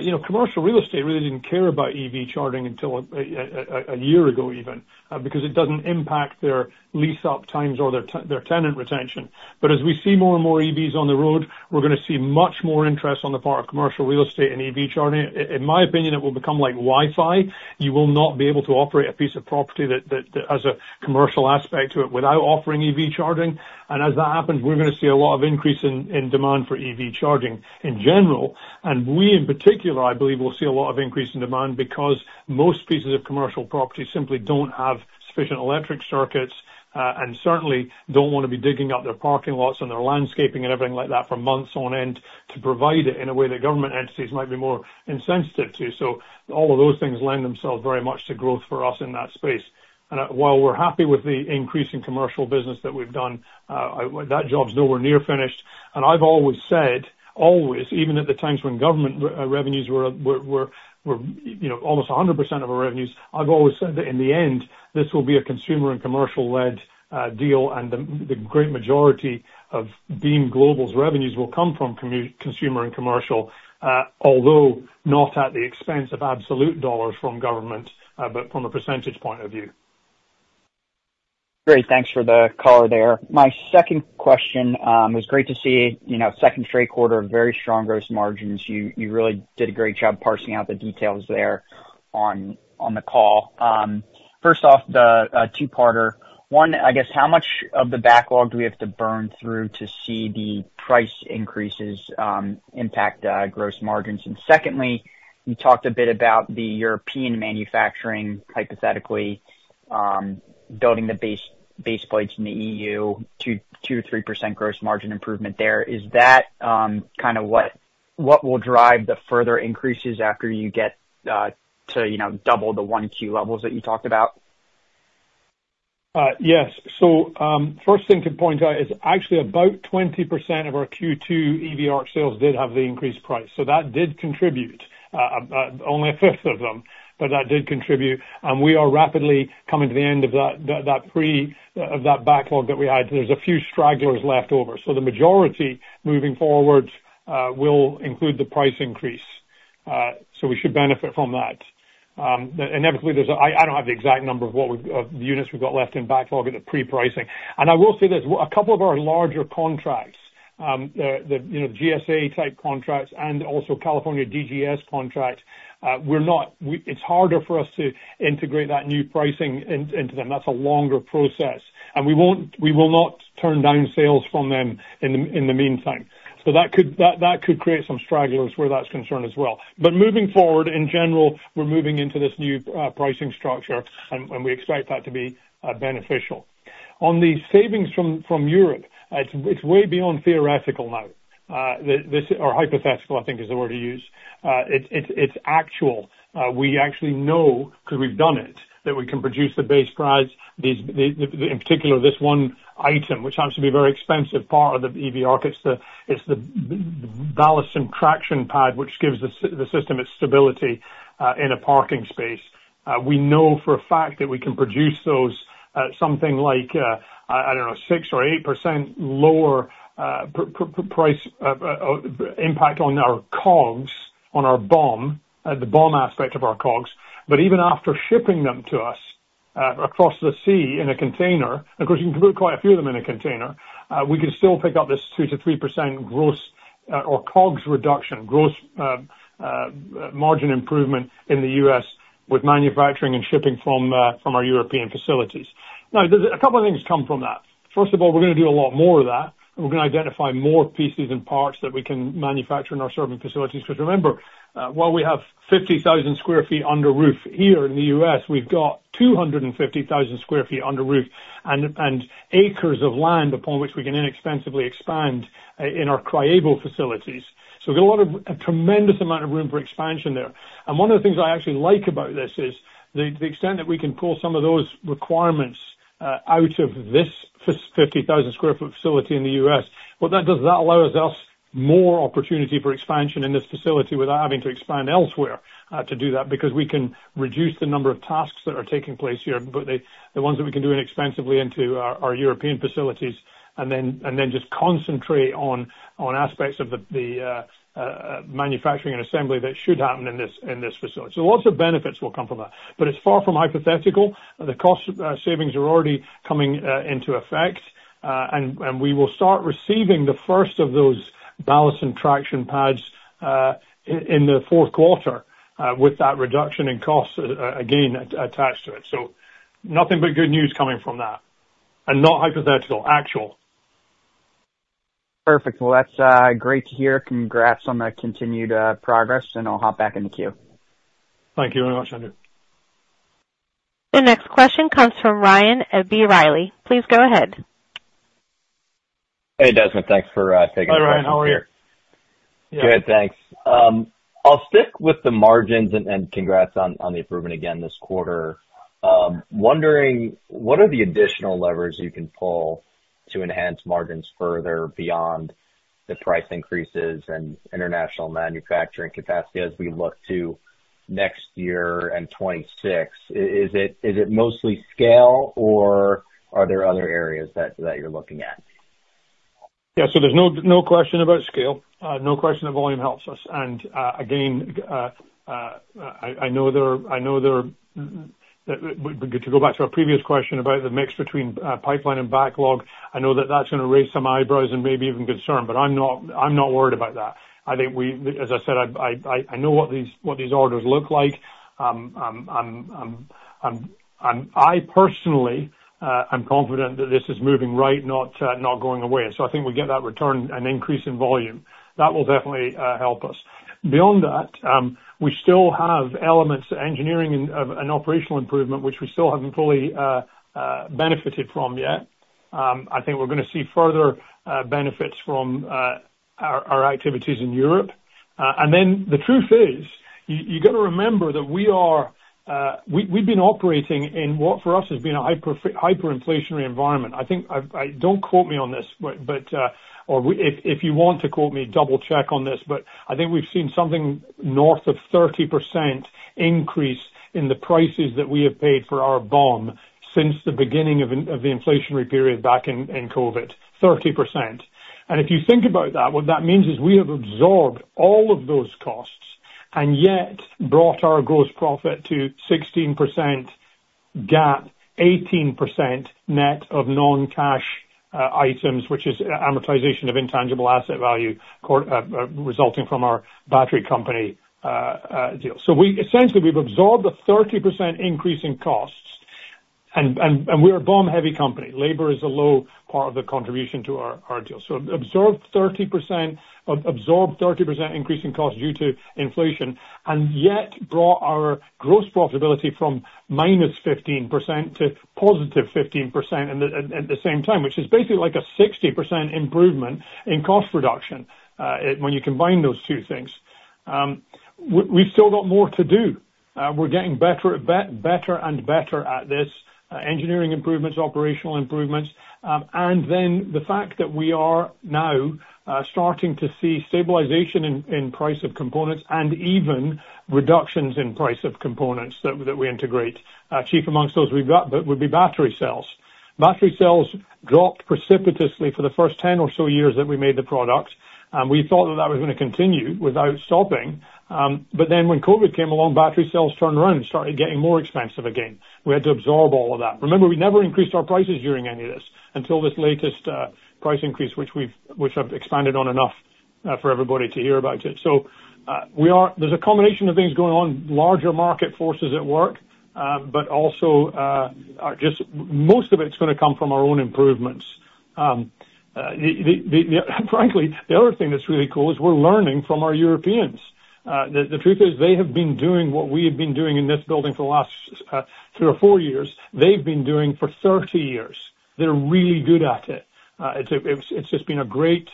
you know, commercial real estate really didn't care about EV charging until a year ago even, because it doesn't impact their lease-up times or their tenant retention. But as we see more and more EVs on the road, we're gonna see much more interest on the part of commercial real estate and EV charging. In my opinion, it will become like Wi-Fi. You will not be able to operate a piece of property that has a commercial aspect to it without offering EV charging. And as that happens, we're gonna see a lot of increase in demand for EV charging in general. And we, in particular, I believe, will see a lot of increase in demand because most pieces of commercial property simply don't have sufficient electric circuits, and certainly don't wanna be digging up their parking lots and their landscaping and everything like that for months on end to provide it in a way that government entities might be more insensitive to. So all of those things lend themselves very much to growth for us in that space. And while we're happy with the increase in commercial business that we've done, that job's nowhere near finished. And I've always said, always, even at the times when government revenues were, you know, almost 100% of our revenues, I've always said that in the end, this will be a consumer and commercial-led deal, and the great majority of Beam Global's revenues will come from consumer and commercial, although not at the expense of absolute dollars from government, but from a percentage point of view. Great. Thanks for the color there. My second question, it's great to see, you know, second straight quarter, very strong gross margins. You, you really did a great job parsing out the details there on, on the call. First off, the two-parter. One, I guess, how much of the backlog do we have to burn through to see the price increases, impact, gross margins? And secondly, you talked a bit about the European manufacturing, hypothetically, building the base, base plates in the EU, 2%-3% gross margin improvement there. Is that, kind of what, what will drive the further increases after you get, to, you know, double the 1Q levels that you talked about? Yes. So, first thing to point out is actually about 20% of our Q2 EV ARC sales did have the increased price, so that did contribute. Only a fifth of them, but that did contribute. And we are rapidly coming to the end of that backlog that we had. There are a few stragglers left over. So the majority, moving forward, will include the price increase. So we should benefit from that. Inevitably, there's a-- I don't have the exact number of the units we've got left in backlog at the pre-pricing. And I will say this, a couple of our larger contracts, you know, GSA-type contracts and also California DGS contracts, we're not-- It's harder for us to integrate that new pricing into them. That's a longer process. We won't turn down sales from them in the meantime. So that could create some stragglers where that's concerned as well. But moving forward, in general, we're moving into this new pricing structure, and we expect that to be beneficial. On the savings from Europe, it's way beyond theoretical now, or hypothetical, I think, is the word to use. It's actual. We actually know, because we've done it, that we can produce the base price, in particular, this one item, which happens to be a very expensive part of the EV ARC. It's the ballast and traction pad, which gives the system its stability in a parking space. We know for a fact that we can produce those at something like, I don't know, 6% or 8% lower price impact on our COGS, on our BOM, the BOM aspect of our COGS. But even after shipping them to us, across the sea in a container, of course, you can put quite a few of them in a container, we can still pick up this 2%-3% gross or COGS reduction, gross margin improvement in the US with manufacturing and shipping from from our European facilities. Now, there's a couple of things come from that. First of all, we're gonna do a lot more of that, and we're gonna identify more pieces and parts that we can manufacture in our Serbian facilities. Because remember, while we have 50,000 sq ft under roof here in the U.S., we've got 250,000 sq ft under roof, and acres of land upon which we can inexpensively expand in our Kraljevo facilities. So we've got a lot of, a tremendous amount of room for expansion there. And one of the things I actually like about this is, the extent that we can pull some of those requirements out of this fifty thousand square foot facility in the U.S., what that does, that allows us more opportunity for expansion in this facility without having to expand elsewhere to do that. Because we can reduce the number of tasks that are taking place here, but the ones that we can do inexpensively into our European facilities, and then just concentrate on aspects of the manufacturing and assembly that should happen in this facility. So lots of benefits will come from that, but it's far from hypothetical. The cost savings are already coming into effect, and we will start receiving the first of those ballast and traction pads in the fourth quarter with that reduction in costs again attached to it. So nothing but good news coming from that, and not hypothetical, actual. Perfect. Well, that's great to hear. Congrats on the continued progress, and I'll hop back in the queue. Thank you very much, Andrew. The next question comes from Ryan at B. Riley. Please go ahead. Hey, Desmond, thanks for taking the question. Hi, Ryan. How are you? Good, thanks. I'll stick with the margins, and congrats on the improvement again this quarter. Wondering, what are the additional levers you can pull to enhance margins further beyond the price increases and international manufacturing capacity as we look to next year and 2026? Is it mostly scale, or are there other areas that you're looking at? Yeah, so there's no, no question about scale, no question that volume helps us. And again, I know there are, I know there are. We get to go back to our previous question about the mix between pipeline and backlog. I know that that's gonna raise some eyebrows and maybe even concern, but I'm not worried about that. I think we, as I said, I know what these orders look like. I personally am confident that this is moving right, not going away. So I think we get that return, an increase in volume. That will definitely help us. Beyond that, we still have elements of engineering and operational improvement, which we still haven't fully benefited from yet. I think we're gonna see further benefits from our activities in Europe. And then the truth is, you gotta remember that we are, we, we've been operating in what, for us, has been a hyperinflationary environment. I think, I, I... Don't quote me on this, but, but, or if you want to quote me, double check on this, but I think we've seen something north of 30% increase in the prices that we have paid for our BOM since the beginning of the inflationary period back in COVID, 30%. And if you think about that, what that means is we have absorbed all of those costs, and yet brought our gross profit to 16% GAAP, 18% net of non-cash items, which is amortization of intangible asset value resulting from our battery company deal. So we essentially, we've absorbed a 30% increase in costs, and we're a BOM heavy company. Labor is a low part of the contribution to our deal. So absorbed 30% increase in costs due to inflation, and yet brought our gross profitability from -15% to +15% at the same time, which is basically like a 60% improvement in cost reduction when you combine those two things. We've still got more to do. We're getting better and better at this, engineering improvements, operational improvements, and then the fact that we are now starting to see stabilization in price of components and even reductions in price of components that we integrate. Chief amongst those we've got, but would be battery cells. Battery cells dropped precipitously for the first ten or so years that we made the product, and we thought that that was gonna continue without stopping. But then when COVID came along, battery cells turned around and started getting more expensive again. We had to absorb all of that. Remember, we never increased our prices during any of this, until this latest price increase, which we've, which I've expanded on enough for everybody to hear about it. So, there's a combination of things going on, larger market forces at work, but also, just most of it's gonna come from our own improvements. Frankly, the other thing that's really cool is we're learning from our Europeans. The truth is they have been doing what we have been doing in this building for the last 3 or 4 years. They've been doing for 30 years. They're really good at it. It's just been a great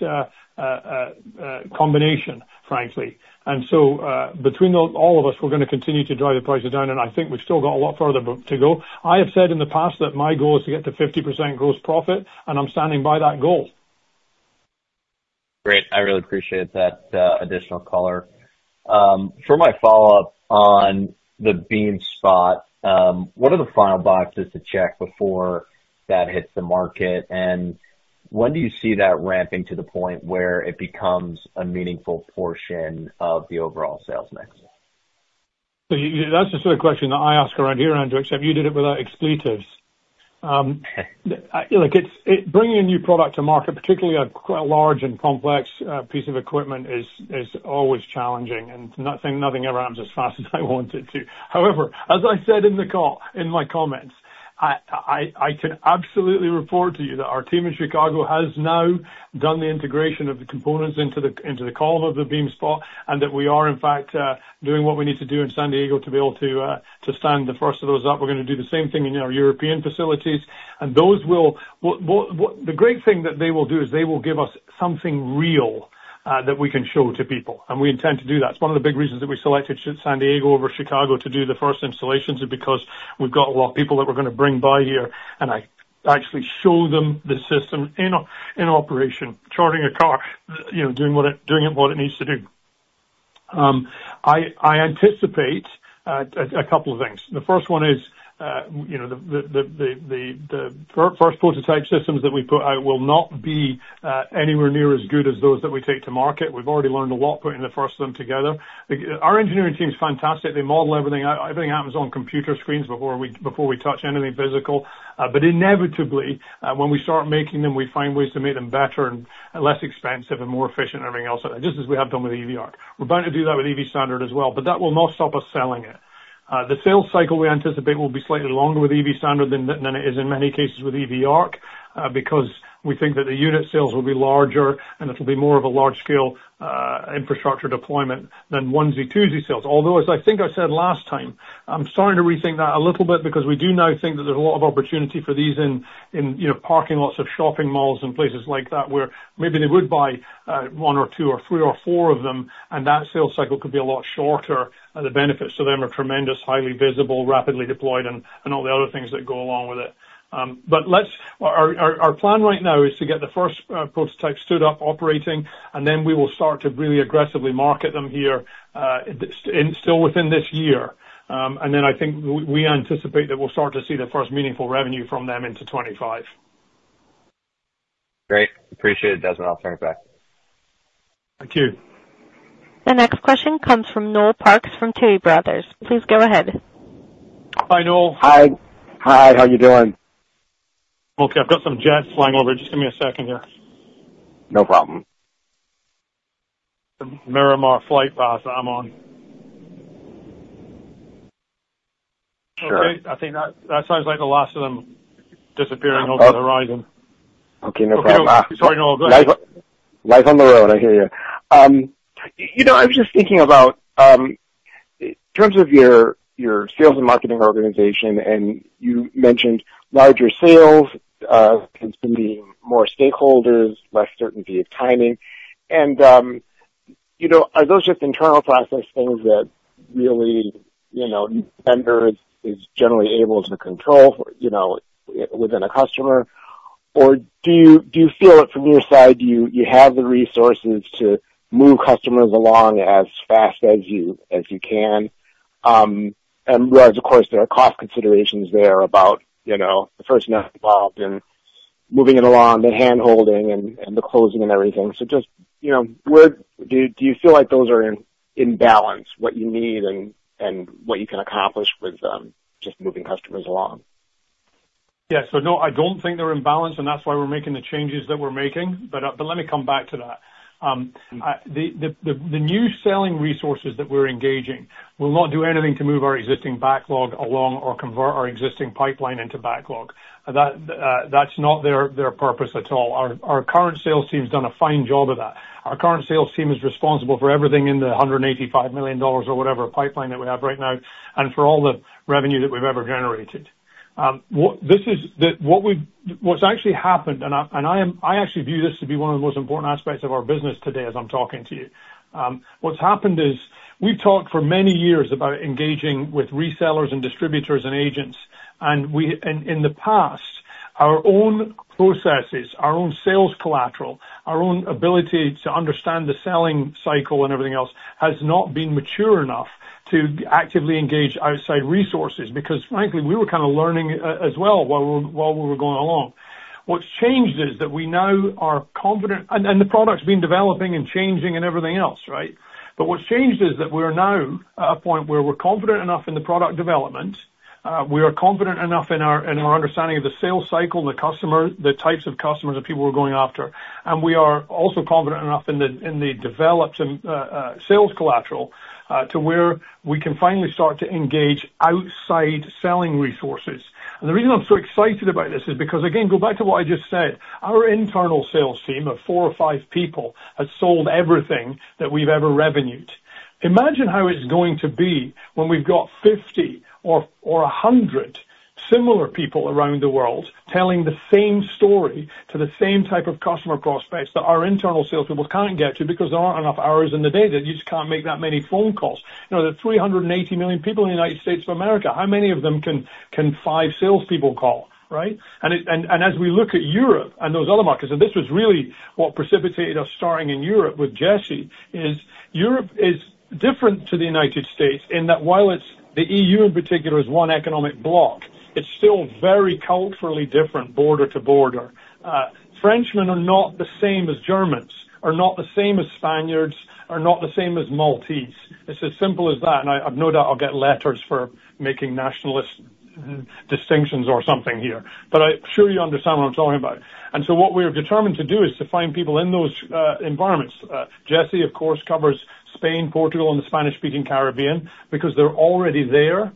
combination, frankly. And so, between all of us, we're gonna continue to drive the prices down, and I think we've still got a lot further to go. I have said in the past that my goal is to get to 50% gross profit, and I'm standing by that goal. Great. I really appreciate that additional color. For my follow-up on the BeamSpot, what are the final boxes to check before that hits the market? And when do you see that ramping to the point where it becomes a meaningful portion of the overall sales mix? That's the sort of question that I ask around here, Andrew, except you did it without expletives. Look, bringing a new product to market, particularly a large and complex piece of equipment, is always challenging, and nothing ever happens as fast as I want it to. However, as I said in the call, in my comments, I can absolutely report to you that our team in Chicago has now done the integration of the components into the call of the BeamSpot, and that we are, in fact, doing what we need to do in San Diego to be able to stand the first of those up. We're gonna do the same thing in our European facilities, and those will... What the great thing that they will do is they will give us something real, that we can show to people, and we intend to do that. It's one of the big reasons that we selected San Diego over Chicago to do the first installations is because we've got a lot of people that we're gonna bring by here, and I actually show them the system in operation, charging a car, you know, doing what it needs to do. I anticipate a couple of things. The first one is the first prototype systems that we put out will not be anywhere near as good as those that we take to market. We've already learned a lot putting the first of them together. Our engineering team's fantastic. They model everything out. Everything happens on computer screens before we touch anything physical. But inevitably, when we start making them, we find ways to make them better and less expensive and more efficient and everything else, just as we have done with EV ARC. We're bound to do that with EV Standard as well, but that will not stop us selling it. The sales cycle, we anticipate, will be slightly longer with EV Standard than it is in many cases with EV ARC, because we think that the unit sales will be larger, and it'll be more of a large-scale infrastructure deployment than onesie-twosie sales. Although, as I think I said last time, I'm starting to rethink that a little bit because we do now think that there's a lot of opportunity for these in you know parking lots of shopping malls and places like that, where maybe they would buy one or two or three or four of them, and that sales cycle could be a lot shorter. And the benefits to them are tremendous, highly visible, rapidly deployed, and all the other things that go along with it. But let's—our plan right now is to get the first prototype stood up operating, and then we will start to really aggressively market them here and still within this year. And then I think we anticipate that we'll start to see the first meaningful revenue from them into 2025. Great. Appreciate it, Desmond. I'll turn it back. Thank you. The next question comes from Noel Parks from Tuohy Brothers. Please go ahead. Hi, Noel. Hi. Hi, how you doing? Okay, I've got some jets flying over. Just give me a second here. No problem. The Miramar flight path I'm on. Sure. Okay. I think that sounds like the last of them disappearing over the horizon. Okay, no problem. Sorry, Noel. Go ahead. Life, life on the road, I hear you. You know, I was just thinking about, in terms of your sales and marketing organization, and you mentioned larger sales tends to be more stakeholders, less certainty of timing. And you know, are those just internal process things that really, you know, vendor is generally able to control, you know, within a customer? Or do you feel that from your side, you have the resources to move customers along as fast as you can? And whereas, of course, there are cost considerations there about, you know, the first involved in moving it along, the handholding and the closing and everything. So just, you know, where do you feel like those are in balance, what you need and what you can accomplish with just moving customers along? Yeah. So no, I don't think they're in balance, and that's why we're making the changes that we're making. But, but let me come back to that. The new selling resources that we're engaging will not do anything to move our existing backlog along or convert our existing pipeline into backlog. That, that's not their purpose at all. Our current sales team has done a fine job of that. Our current sales team is responsible for everything in the $185 million or whatever pipeline that we have right now, and for all the revenue that we've ever generated. What actually happened, and I actually view this to be one of the most important aspects of our business today as I'm talking to you. What's happened is, we've talked for many years about engaging with resellers and distributors and agents, and in the past, our own processes, our own sales collateral, our own ability to understand the selling cycle and everything else, has not been mature enough to actively engage outside resources. Because, frankly, we were kind of learning as well, while we were going along. What's changed is that we now are confident, and the product's been developing and changing and everything else, right? But what's changed is that we're now at a point where we're confident enough in the product development. We are confident enough in our understanding of the sales cycle and the customer, the types of customers that people are going after. We are also confident enough in the developed and sales collateral to where we can finally start to engage outside selling resources. The reason I'm so excited about this is because, again, go back to what I just said. Our internal sales team of 4 or 5 people has sold everything that we've ever revenued. Imagine how it's going to be when we've got 50 or 100 similar people around the world telling the same story to the same type of customer prospects that our internal sales people can't get to because there aren't enough hours in the day, that you just can't make that many phone calls. You know, there are 380 million people in the United States of America. How many of them can 5 salespeople call, right? As we look at Europe and those other markets, and this was really what precipitated us starting in Europe with GE S&T, is Europe is different to the United States in that while it's the EU in particular is one economic block, it's still very culturally different border to border. Frenchmen are not the same as Germans, are not the same as Spaniards, are not the same as Maltese. It's as simple as that, and I have no doubt I'll get letters for making nationalist distinctions or something here, but I'm sure you understand what I'm talking about. And so what we are determined to do is to find people in those environments. GE S&T, of course, covers Spain, Portugal, and the Spanish-speaking Caribbean, because they're already there.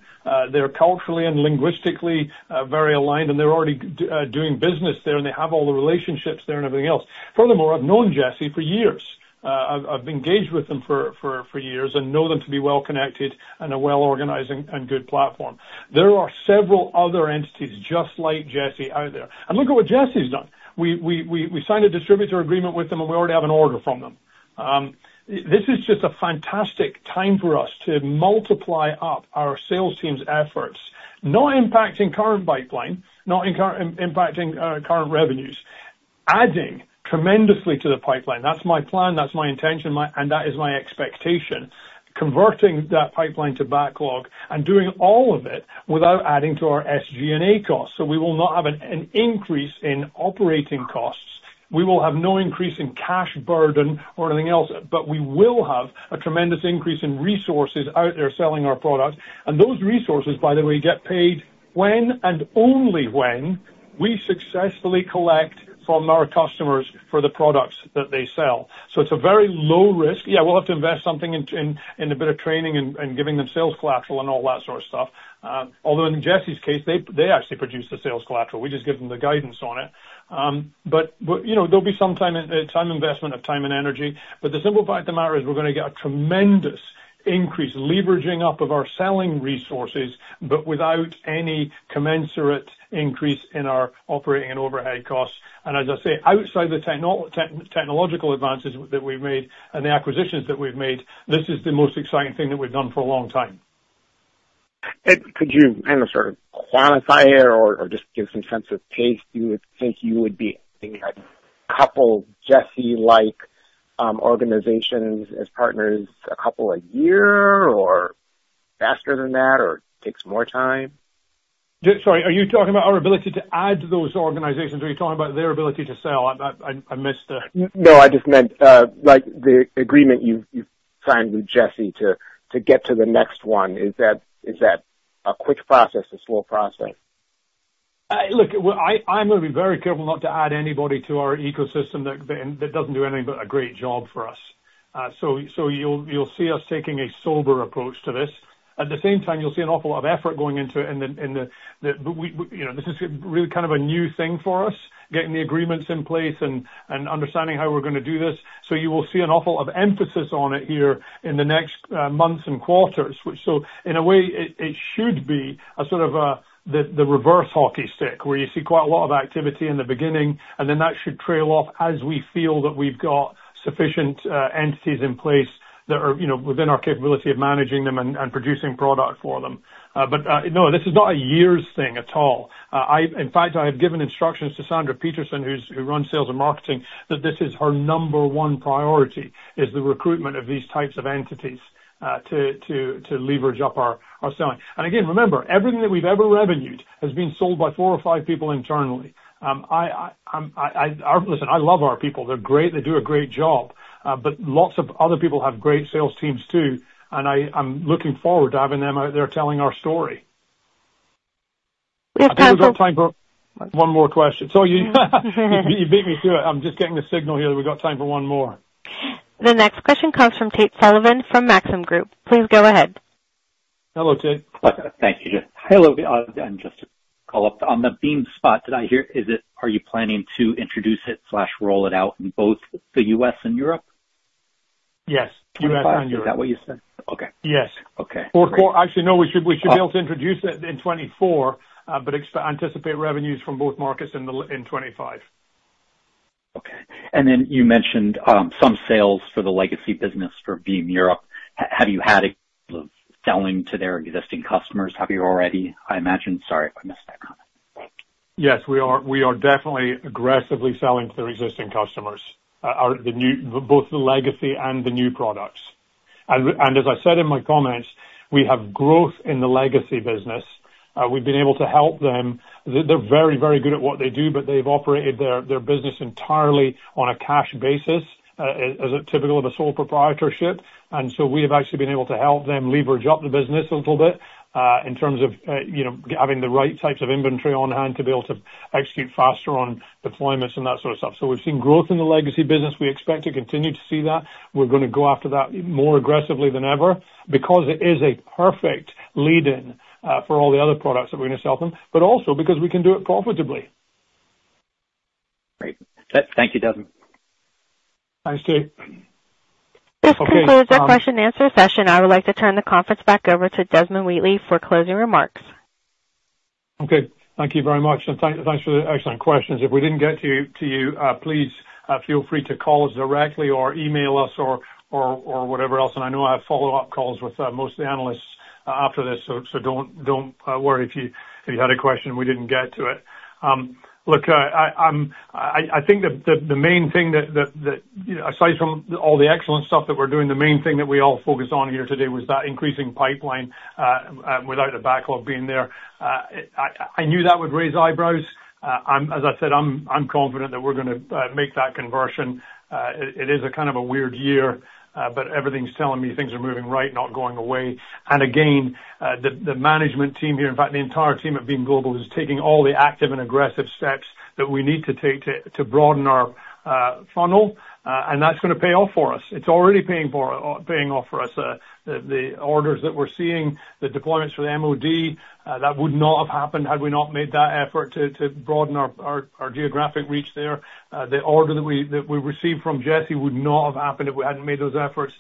They're culturally and linguistically very aligned, and they're already doing business there, and they have all the relationships there and everything else. Furthermore, I've known GE S&T for years. I've engaged with them for years and know them to be well connected and a well-organized and good platform. There are several other entities just like GE S&T out there. And look at what GE S&T's done. We signed a distributor agreement with them, and we already have an order from them. This is just a fantastic time for us to multiply up our sales team's efforts, not impacting current pipeline, not impacting our current revenues, adding tremendously to the pipeline. That's my plan, that's my intention, and that is my expectation, converting that pipeline to backlog and doing all of it without adding to our SG&A costs. So we will not have an increase in operating costs. We will have no increase in cash burden or anything else, but we will have a tremendous increase in resources out there selling our products. And those resources, by the way, get paid when and only when we successfully collect from our customers for the products that they sell. So it's a very low risk. Yeah, we'll have to invest something in a bit of training and giving them sales collateral and all that sort of stuff. Although in GE S&T's case, they actually produce the sales collateral. We just give them the guidance on it. But you know, there'll be some time investment of time and energy. The simple fact of the matter is, we're gonna get a tremendous increase, leveraging up of our selling resources, but without any commensurate increase in our operating and overhead costs. And as I say, outside the technological advances that we've made and the acquisitions that we've made, this is the most exciting thing that we've done for a long time. Could you kind of sort of quantify it or, or just give some sense of pace you would think you would be adding a couple GE S&T-like organizations as partners, a couple a year or faster than that, or takes more time? Sorry, are you talking about our ability to add those organizations, or are you talking about their ability to sell? I missed the- No, I just meant, like, the agreement you've signed with GE S&T to get to the next one. Is that a quick process, a slow process? Look, well, I'm gonna be very careful not to add anybody to our ecosystem that doesn't do anything but a great job for us. So you'll see us taking a sober approach to this. At the same time, you'll see an awful lot of effort going into it in the... But we, you know, this is really kind of a new thing for us, getting the agreements in place and understanding how we're gonna do this. So you will see an awful lot of emphasis on it here in the next months and quarters. So, in a way, it should be a sort of the reverse hockey stick, where you see quite a lot of activity in the beginning, and then that should trail off as we feel that we've got sufficient entities in place that are, you know, within our capability of managing them and producing product for them. But no, this is not a years thing at all. In fact, I have given instructions to Sandra Peterson, who runs sales and marketing, that this is her number one priority, is the recruitment of these types of entities to leverage up our selling. And again, remember, everything that we've ever revenued has been sold by four or five people internally. Listen, I love our people. They're great. They do a great job. Lots of other people have great sales teams too, and I'm looking forward to having them out there telling our story. We have time for- I think we've got time for one more question. So you beat me to it. I'm just getting the signal here. We've got time for one more. The next question comes from Tate Sullivan from Maxim Group. Please go ahead. Hello, Tate. Thank you. Hello, just to call up. On the BeamSpot, did I hear, is it, are you planning to introduce it slash roll it out in both the U.S. and Europe? Yes. Is that what you said? Okay. Yes. Okay. Or actually, no, we should, we should be able to introduce it in 2024, but anticipate revenues from both markets in 2025. Okay. And then you mentioned some sales for the legacy business for Beam Europe. Have you had selling to their existing customers? Have you already, I imagine... Sorry if I missed that comment. Yes, we are definitely aggressively selling to their existing customers. Our both the legacy and the new products. And as I said in my comments, we have growth in the legacy business. We've been able to help them. They're very, very good at what they do, but they've operated their business entirely on a cash basis, as typical of a sole proprietorship. And so we have actually been able to help them leverage up the business a little bit, in terms of you know, having the right types of inventory on hand to be able to execute faster on deployments and that sort of stuff. So we've seen growth in the legacy business. We expect to continue to see that. We're gonna go after that more aggressively than ever because it is a perfect lead-in for all the other products that we're gonna sell them, but also because we can do it profitably. Great. Thank you, Desmond. Thanks, Jay. This concludes our question and answer session. I would like to turn the conference back over to Desmond Wheatley for closing remarks. Okay, thank you very much, and thanks for the excellent questions. If we didn't get to you, please feel free to call us directly or email us or whatever else. And I know I have follow-up calls with most of the analysts after this, so don't worry if you had a question we didn't get to it. I think the main thing that, aside from all the excellent stuff that we're doing, the main thing that we all focused on here today was that increasing pipeline without the backlog being there. I knew that would raise eyebrows. I'm. As I said, I'm confident that we're gonna make that conversion. It is a kind of a weird year, but everything's telling me things are moving right, not going away. Again, the management team here, in fact, the entire team at Beam Global, is taking all the active and aggressive steps that we need to take to broaden our funnel, and that's gonna pay off for us. It's already paying off for us. The orders that we're seeing, the deployments for the MOD, that would not have happened had we not made that effort to broaden our geographic reach there. The order that we received from GE S&T would not have happened if we hadn't made those efforts.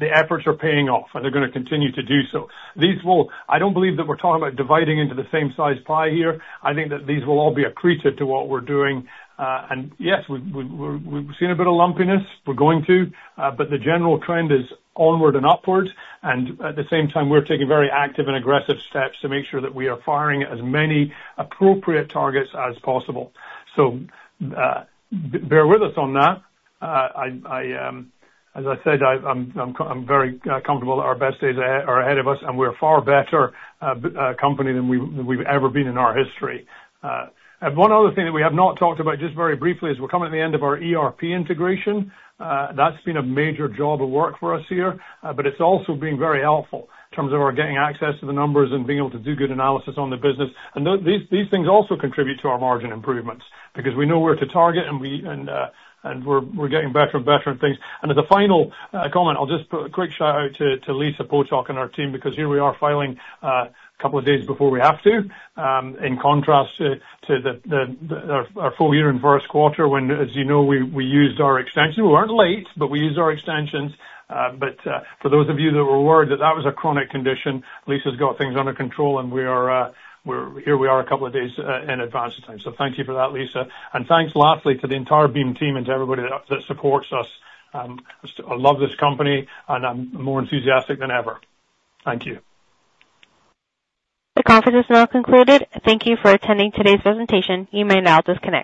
The efforts are paying off, and they're gonna continue to do so. These will... I don't believe that we're talking about dividing into the same size pie here. I think that these will all be accretive to what we're doing. And yes, we've seen a bit of lumpiness. But the general trend is onward and upwards, and at the same time, we're taking very active and aggressive steps to make sure that we are firing as many appropriate targets as possible. So, bear with us on that. As I said, I'm very comfortable that our best days are ahead of us, and we're far better company than we've ever been in our history. And one other thing that we have not talked about, just very briefly, is we're coming to the end of our ERP integration. That's been a major job of work for us here, but it's also been very helpful in terms of our getting access to the numbers and being able to do good analysis on the business. And those, these things also contribute to our margin improvements because we know where to target, and we're getting better and better at things. And as a final comment, I'll just put a quick shout-out to Lisa Potok and our team, because here we are filing a couple of days before we have to, in contrast to our full year and first quarter, when, as you know, we used our extension. We weren't late, but we used our extensions. But, for those of you that were worried that that was a chronic condition, Lisa's got things under control, and we are here we are a couple of days in advance of time. So thank you for that, Lisa. And thanks, lastly, to the entire Beam team and to everybody that, that supports us. I love this company, and I'm more enthusiastic than ever. Thank you. The conference is now concluded. Thank you for attending today's presentation. You may now disconnect.